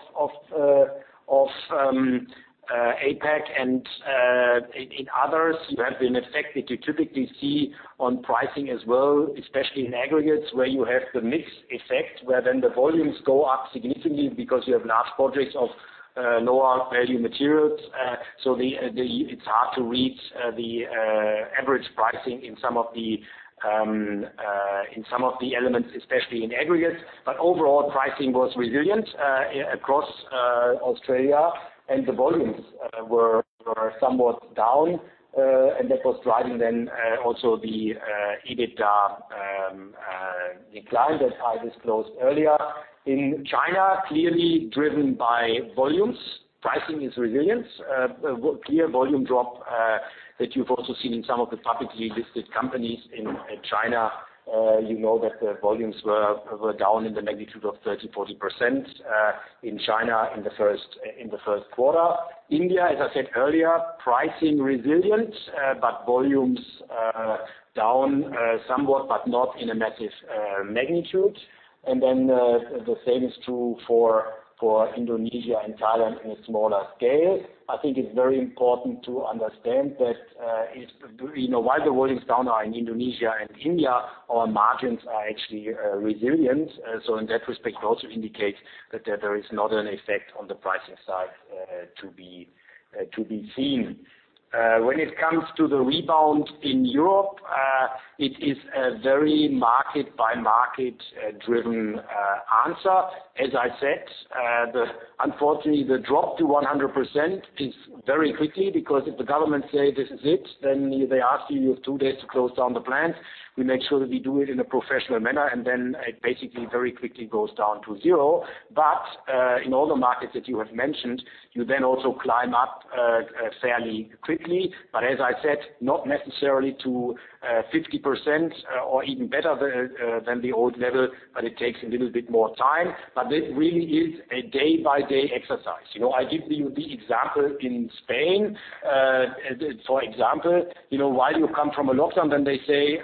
APAC, and in others, you have an effect that you typically see on pricing as well, especially in aggregates where you have the mix effect, where then the volumes go up significantly because you have large projects of lower value materials. It's hard to read the average pricing in some of the elements, especially in aggregates. Overall, pricing was resilient across Australia, and the volumes were somewhat down, and that was driving then also the EBITDA decline that I disclosed earlier. In China, clearly driven by volumes, pricing is resilient. A clear volume drop that you've also seen in some of the publicly listed companies in China. You know that the volumes were down in the magnitude of 30%-40% in China in the first quarter. India, as I said earlier, pricing resilient, but volumes down somewhat, but not in a massive magnitude. The same is true for Indonesia and Thailand in a smaller scale. I think it is very important to understand that while the volumes down are in Indonesia and India, our margins are actually resilient. In that respect, we also indicate that there is not an effect on the pricing side to be seen. When it comes to the rebound in Europe, it is a very market-by-market driven answer. As I said, unfortunately the drop to 100% is very quickly because if the government say, "This is it," then they ask you have two days to close down the plant. We make sure that we do it in a professional manner, it basically very quickly goes down to zero. In all the markets that you have mentioned, you then also climb up fairly quickly. As I said, not necessarily to 50% or even better than the old level, but it takes a little bit more time. It really is a day-by-day exercise. I give you the example in Spain. For example, while you come from a lockdown, then they say,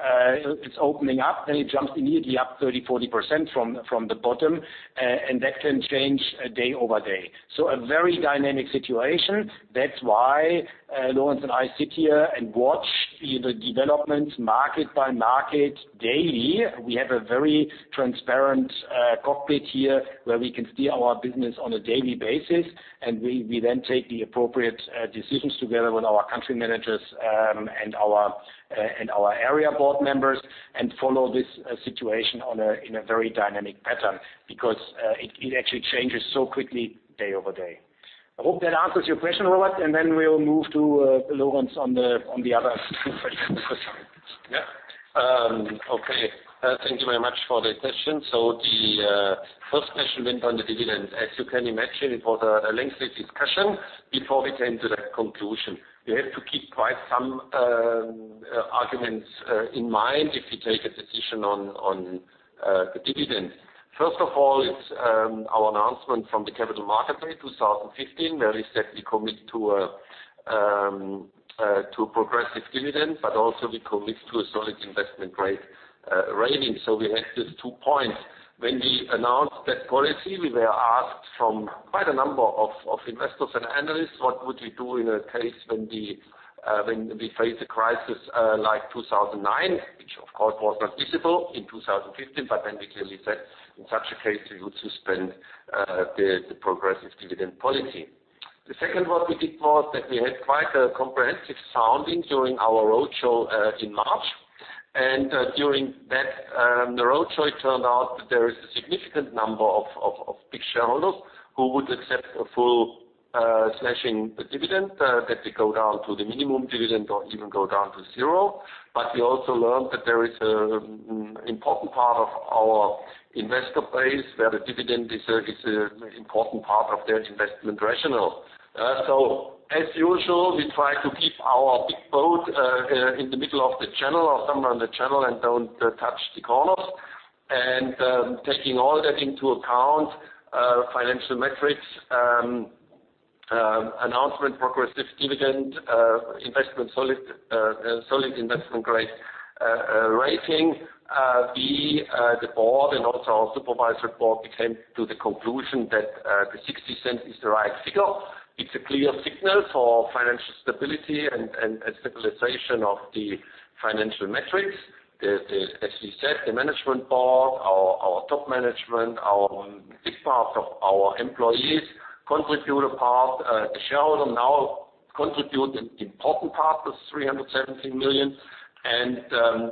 "It's opening up," then it jumps immediately up 30, 40% from the bottom. That can change day over day. A very dynamic situation. That's why Lorenz and I sit here and watch the developments market by market daily. We have a very transparent cockpit here where we can steer our business on a daily basis, and we then take the appropriate decisions together with our country managers and our area board members and follow this situation in a very dynamic pattern because it actually changes so quickly day over day. I hope that answers your question, Robert, and then we'll move to Lorenz on the other questions. Yeah. Okay. Thank you very much for the question. The first question went on the dividend. As you can imagine, it was a lengthy discussion before we came to that conclusion. You have to keep quite some arguments in mind if you take a decision on the dividend. First of all, it's our announcement from the Capital Markets Day 2015, where we said we commit to a progressive dividend, but also we commit to a solid investment rate rating. We had these two points. When we announced that policy, we were asked from quite a number of investors and analysts, what would we do in a case when we face a crisis like 2009, which of course was not visible in 2015, but then we clearly said, in such a case, we would suspend the progressive dividend policy. The second what we did was that we had quite a comprehensive sounding during our roadshow in March. During the roadshow, it turned out that there is a significant number of big shareholders who would accept a full slashing the dividend, that we go down to the minimum dividend or even go down to zero. We also learned that there is an important part of our investor base where the dividend is an important part of their investment rationale. As usual, we try to keep our big boat in the middle of the channel or somewhere in the channel and don't touch the corners. Taking all that into account, financial metrics, announcement progressive dividend, solid investment grade rating, we, the board and also our Supervisory Board, we came to the conclusion that the 0.60 is the right figure. It's a clear signal for financial stability and stabilization of the financial metrics. As we said, the management board, our top management, a big part of our employees contribute a part. The shareholders now contribute an important part of 370 million,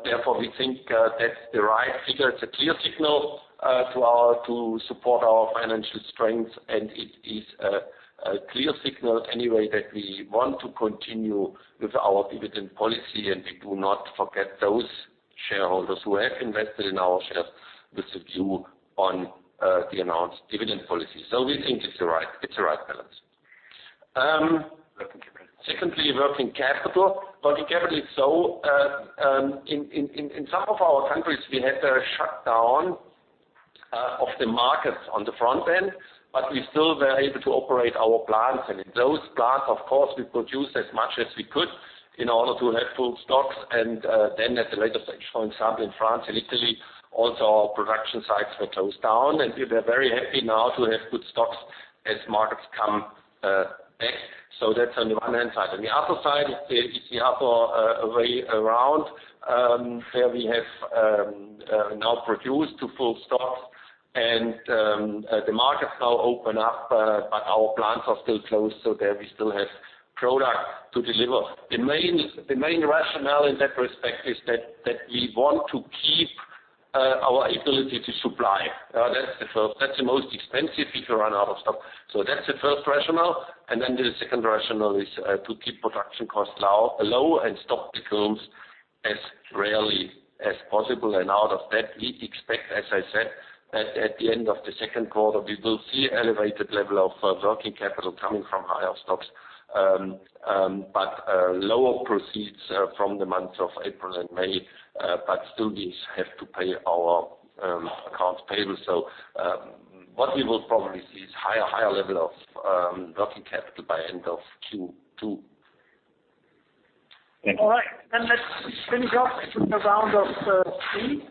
therefore we think that's the right figure. It's a clear signal to support our financial strength, it is a clear signal anyway that we want to continue with our dividend policy, we do not forget those shareholders who have invested in our shares with the view on the announced dividend policy. We think it's the right balance. Working capital. Secondly, working capital. Working capital is slow. In some of our countries, we had a shutdown of the markets on the front end, but we still were able to operate our plants. In those plants, of course, we produced as much as we could in order to have full stocks, and then at a later stage, for example, in France and Italy, also our production sites were closed down, and we were very happy now to have good stocks as markets come back. That's on the one hand side. On the other side is the other way around, where we have now produced to full stocks and the markets now open up, but our plants are still closed, so there we still have product to deliver. The main rationale in that respect is that we want to keep our ability to supply. That's the most expensive if you run out of stock. That's the first rationale, the second rationale is to keep production costs low and stock the goods as rarely as possible. Out of that, we expect, as I said, that at the end of the second quarter, we will see elevated level of working capital coming from higher stocks, lower proceeds from the months of April and May, still these have to pay our accounts payable. What we will probably see is higher level of working capital by end of Q2. Thank you. All right. Let's finish off with a round of three.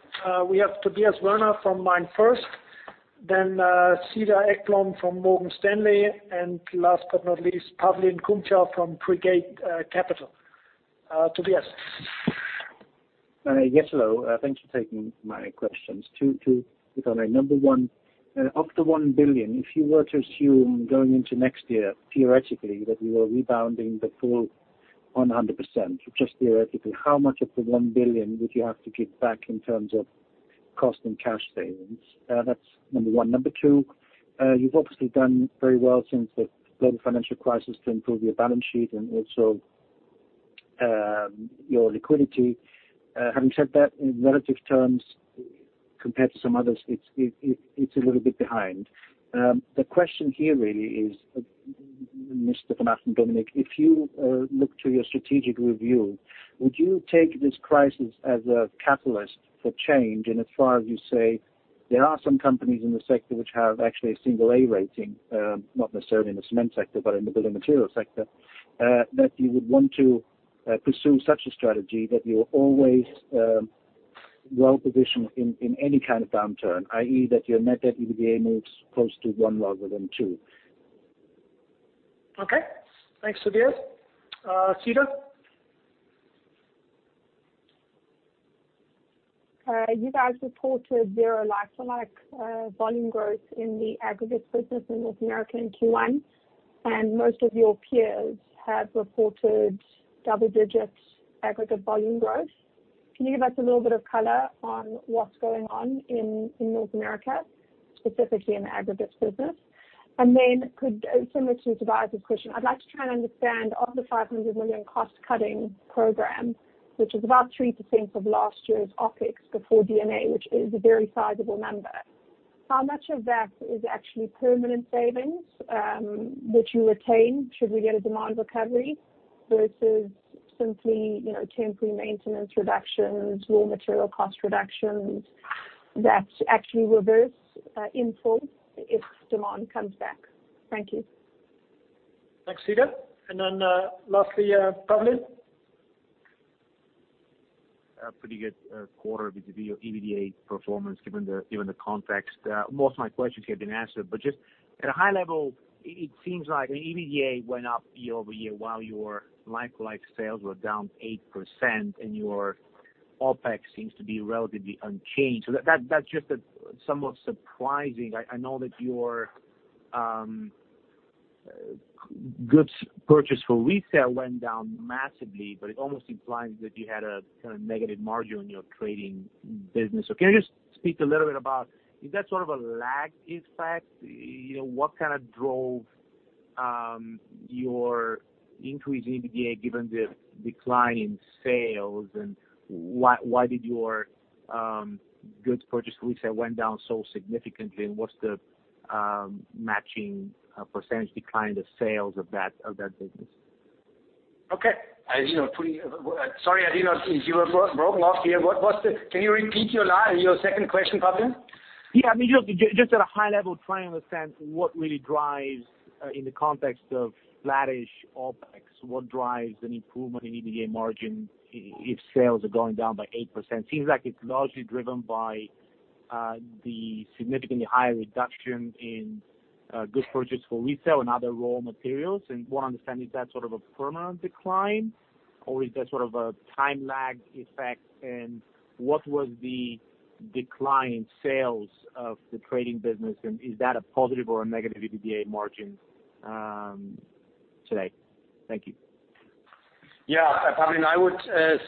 We have Tobias Woerner from MainFirst, Cedar Ekblom from Morgan Stanley, last but not least, Pavlin Kumchev from Brigade Capital. Tobias? Yes, hello. Thanks for taking my questions. Two to get on. Number one, up to 1 billion. If you were to assume going into next year, theoretically, that you are rebounding the full 100%, just theoretically, how much of the 1 billion would you have to give back in terms of cost and cash savings? That's number one. Number two, you've obviously done very well since the global financial crisis to improve your balance sheet and also your liquidity. Having said that, in relative terms, compared to some others, it's a little bit behind. The question here really is, Mr. Lorenz and Dominik, if you look to your strategic review, would you take this crisis as a catalyst for change in as far as you say, there are some companies in the sector which have actually a single A rating, not necessarily in the cement sector, but in the building material sector, that you would want to pursue such a strategy that you are always well-positioned in any kind of downturn, i.e., that your net debt EBITDA moves close to one rather than two? Okay, thanks, Tobias. Cedar? You guys reported zero like-for-like volume growth in the aggregates business in North America in Q1, and most of your peers have reported double-digit aggregate volume growth. Can you give us a little bit of color on what's going on in North America, specifically in the aggregates business? Could, similar to Tobias' question, I'd like to try and understand of the 500 million cost-cutting program, which is about 3% of last year's OpEx before D&A, which is a very sizable number. How much of that is actually permanent savings, which you retain should we get a demand recovery, versus simply temporary maintenance reductions, raw material cost reductions that actually reverse in full if demand comes back? Thank you. Thanks, Cedar. Lastly, Pavlin. A pretty good quarter vis-à-vis your EBITDA performance given the context. Most of my questions have been answered, just at a high level, it seems like EBITDA went up year-over-year while your like-for-like sales were down 8% and your OpEx seems to be relatively unchanged. That's just somewhat surprising. I know that your goods purchased for resale went down massively, it almost implies that you had a kind of negative margin on your trading business. Can you just speak a little bit about, is that sort of a lag effect? What drove your increase in EBITDA given the decline in sales, and why did your goods purchased for resale went down so significantly, and what's the matching percentage decline of sales of that business? Okay. Sorry, you were broken off here. Can you repeat your line and your second question, Pavlin? Yeah, just at a high level, trying to understand what really drives, in the context of flattish OpEx, what drives an improvement in EBITDA margin if sales are going down by 8%? Seems like it's largely driven by the significantly higher reduction in goods purchased for resale and other raw materials. Want to understand, is that sort of a permanent decline or is that a time lag effect, and what was the decline in sales of the trading business, and is that a positive or a negative EBITDA margin today? Thank you. Yeah. Pavlin, I would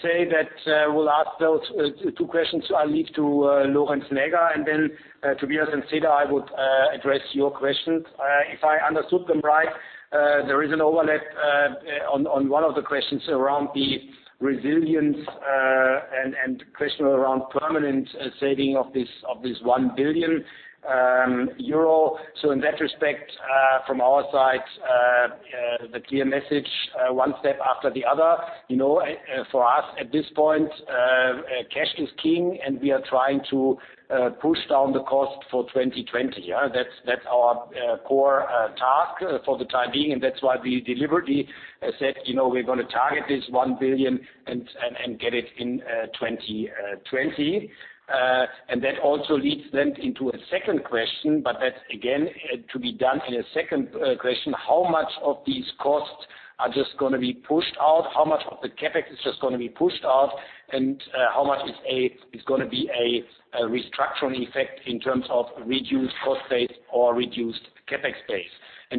say that those two questions I'll leave to Lorenz Näger. Tobias and Cedar, I would address your questions. If I understood them right, there is an overlap on one of the questions around the resilience and question around permanent saving of this 1 billion euro. In that respect, from our side, the clear message, one step after the other. For us at this point, cash is king, and we are trying to push down the cost for 2020. That's our core task for the time being, and that's why we deliberately said we're going to target this 1 billion and get it in 2020. That also leads then into a second question, but that's again to be done in a second question, how much of these costs are just going to be pushed out? How much of the CapEx is just going to be pushed out, and how much is going to be a restructuring effect in terms of reduced cost base or reduced CapEx base?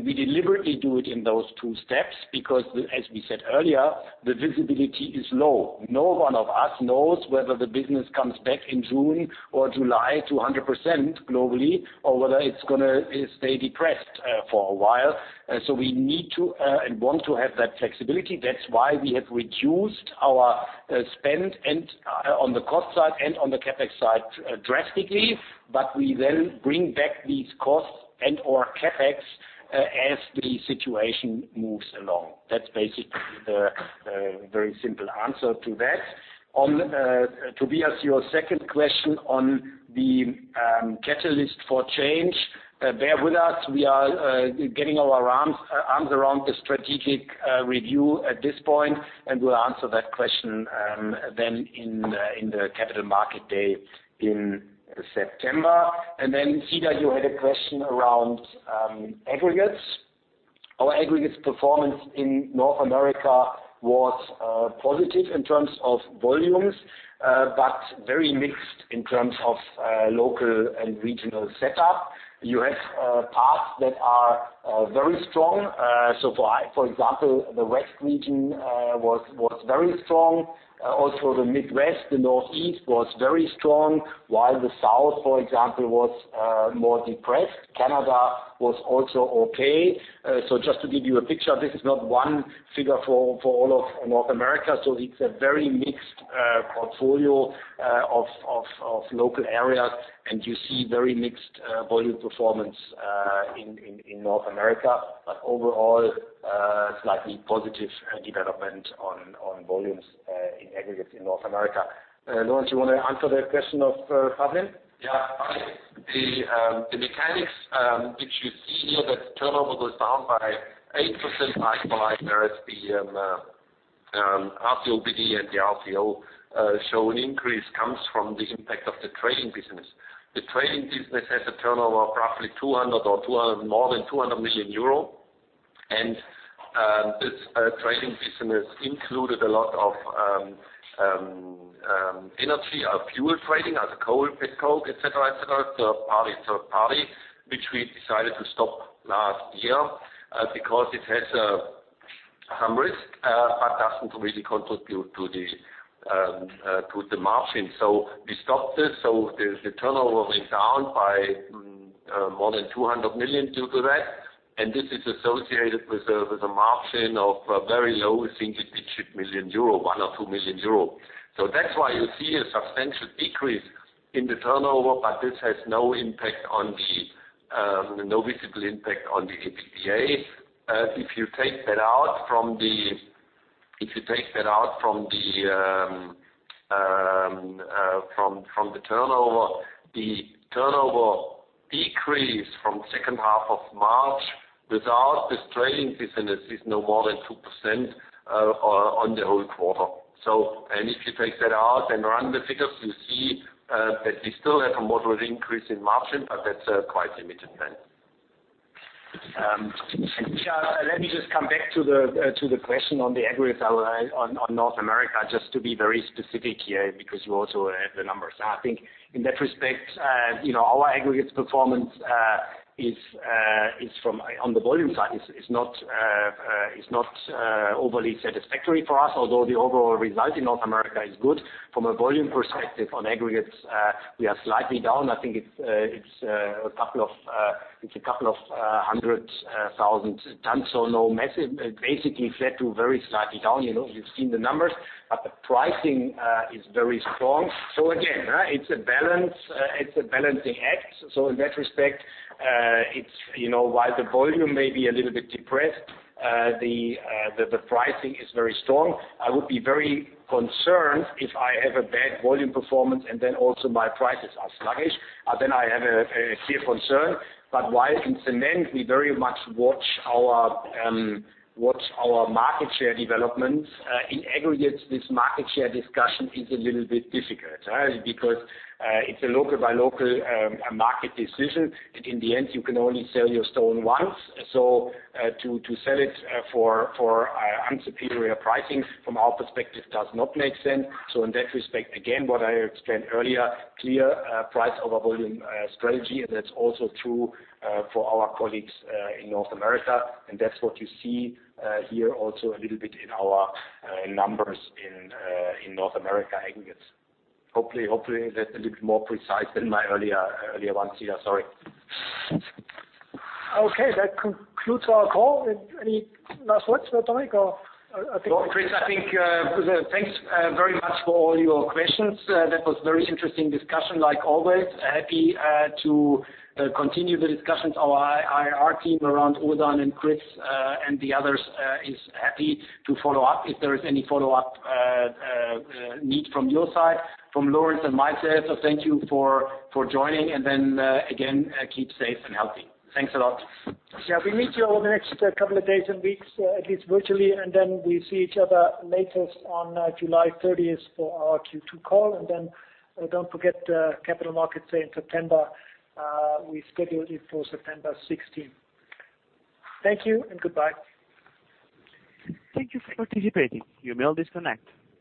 We deliberately do it in those two steps because, as we said earlier, the visibility is low. No one of us knows whether the business comes back in June or July to 100% globally, or whether it's going to stay depressed for a while. We need to, and want to have that flexibility. That's why we have reduced our spend on the cost side and on the CapEx side drastically. We then bring back these costs and/or CapEx as the situation moves along. That's basically the very simple answer to that. On Tobias, your second question on the catalyst for change. Bear with us. We are getting our arms around the strategic review at this point. We'll answer that question then in the Capital Markets Day in September. Cedar, you had a question around aggregates. Our aggregates performance in North America was positive in terms of volumes, but very mixed in terms of local and regional setup. You have parts that are very strong. For example, the West region was very strong. Also the Midwest, the Northeast was very strong, while the South, for example, was more depressed. Canada was also okay. Just to give you a picture, this is not one figure for all of North America. It's a very mixed portfolio of local areas, and you see very mixed volume performance in North America. Overall, slightly positive development on volumes in aggregates in North America. Lorenz, you want to answer that question of Pavin? Yeah. The mechanics which you see here, that turnover goes down by 8% like-for-like. Whereas the RCOBD and the RCO show an increase comes from the impact of the trading business. The trading business has a turnover of roughly 200 or more than 200 million euro, and this trading business included a lot of energy, our fuel trading as a coal, coke, et cetera, et cetera, third party, which we decided to stop last year because it has a high risk, but doesn't really contribute to the margin. We stopped this. The turnover went down by more than 200 million due to that. This is associated with a margin of very low, single-digit million euro, one or 2 million euro. That's why you see a substantial decrease in the turnover. This has no visible impact on the EBITDA. If you take that out from the turnover, the turnover decrease from second half of March without this trading business is no more than 2% on the whole quarter. If you take that out and run the figures, you see that we still have a moderate increase in margin, but that's quite limited then. Let me just come back to the question on the aggregates on North America, just to be very specific here, because you also have the numbers. I think in that respect our aggregates performance on the volume side is not overly satisfactory for us, although the overall result in North America is good. From a volume perspective on aggregates, we are slightly down. I think it's a couple of hundred thousand tons. Basically flat to very slightly down. You've seen the numbers, the pricing is very strong. Again, it's a balancing act. In that respect, while the volume may be a little bit depressed, the pricing is very strong. I would be very concerned if I have a bad volume performance, and then also my prices are sluggish, then I have a clear concern. While in cement, we very much watch our market share development. In aggregates, this market share discussion is a little bit difficult, because it's a local-by-local market decision, and in the end, you can only sell your stone once. To sell it for inferior pricing from our perspective, does not make sense. In that respect, again, what I explained earlier, clear price over volume strategy, and that's also true for our colleagues in North America, and that's what you see here also a little bit in our numbers in North America aggregates. Hopefully, that's a little bit more precise than my earlier one, Cedar. Sorry. Okay, that concludes our call. Any last words, Dominik? No, Chris, I think thanks very much for all your questions. That was very interesting discussion, like always. Happy to continue the discussions. Our IR team around Ozan and Chris, and the others is happy to follow up if there is any follow-up need from your side, from Lorenz and myself. Thank you for joining and then again, keep safe and healthy. Thanks a lot. Yeah, we meet you over the next couple of days and weeks, at least virtually, then we see each other latest on July 30th for our Q2 call. Don't forget the Capital Markets Day in September. We scheduled it for September 16th. Thank you and goodbye. Thank you for participating. You may all disconnect.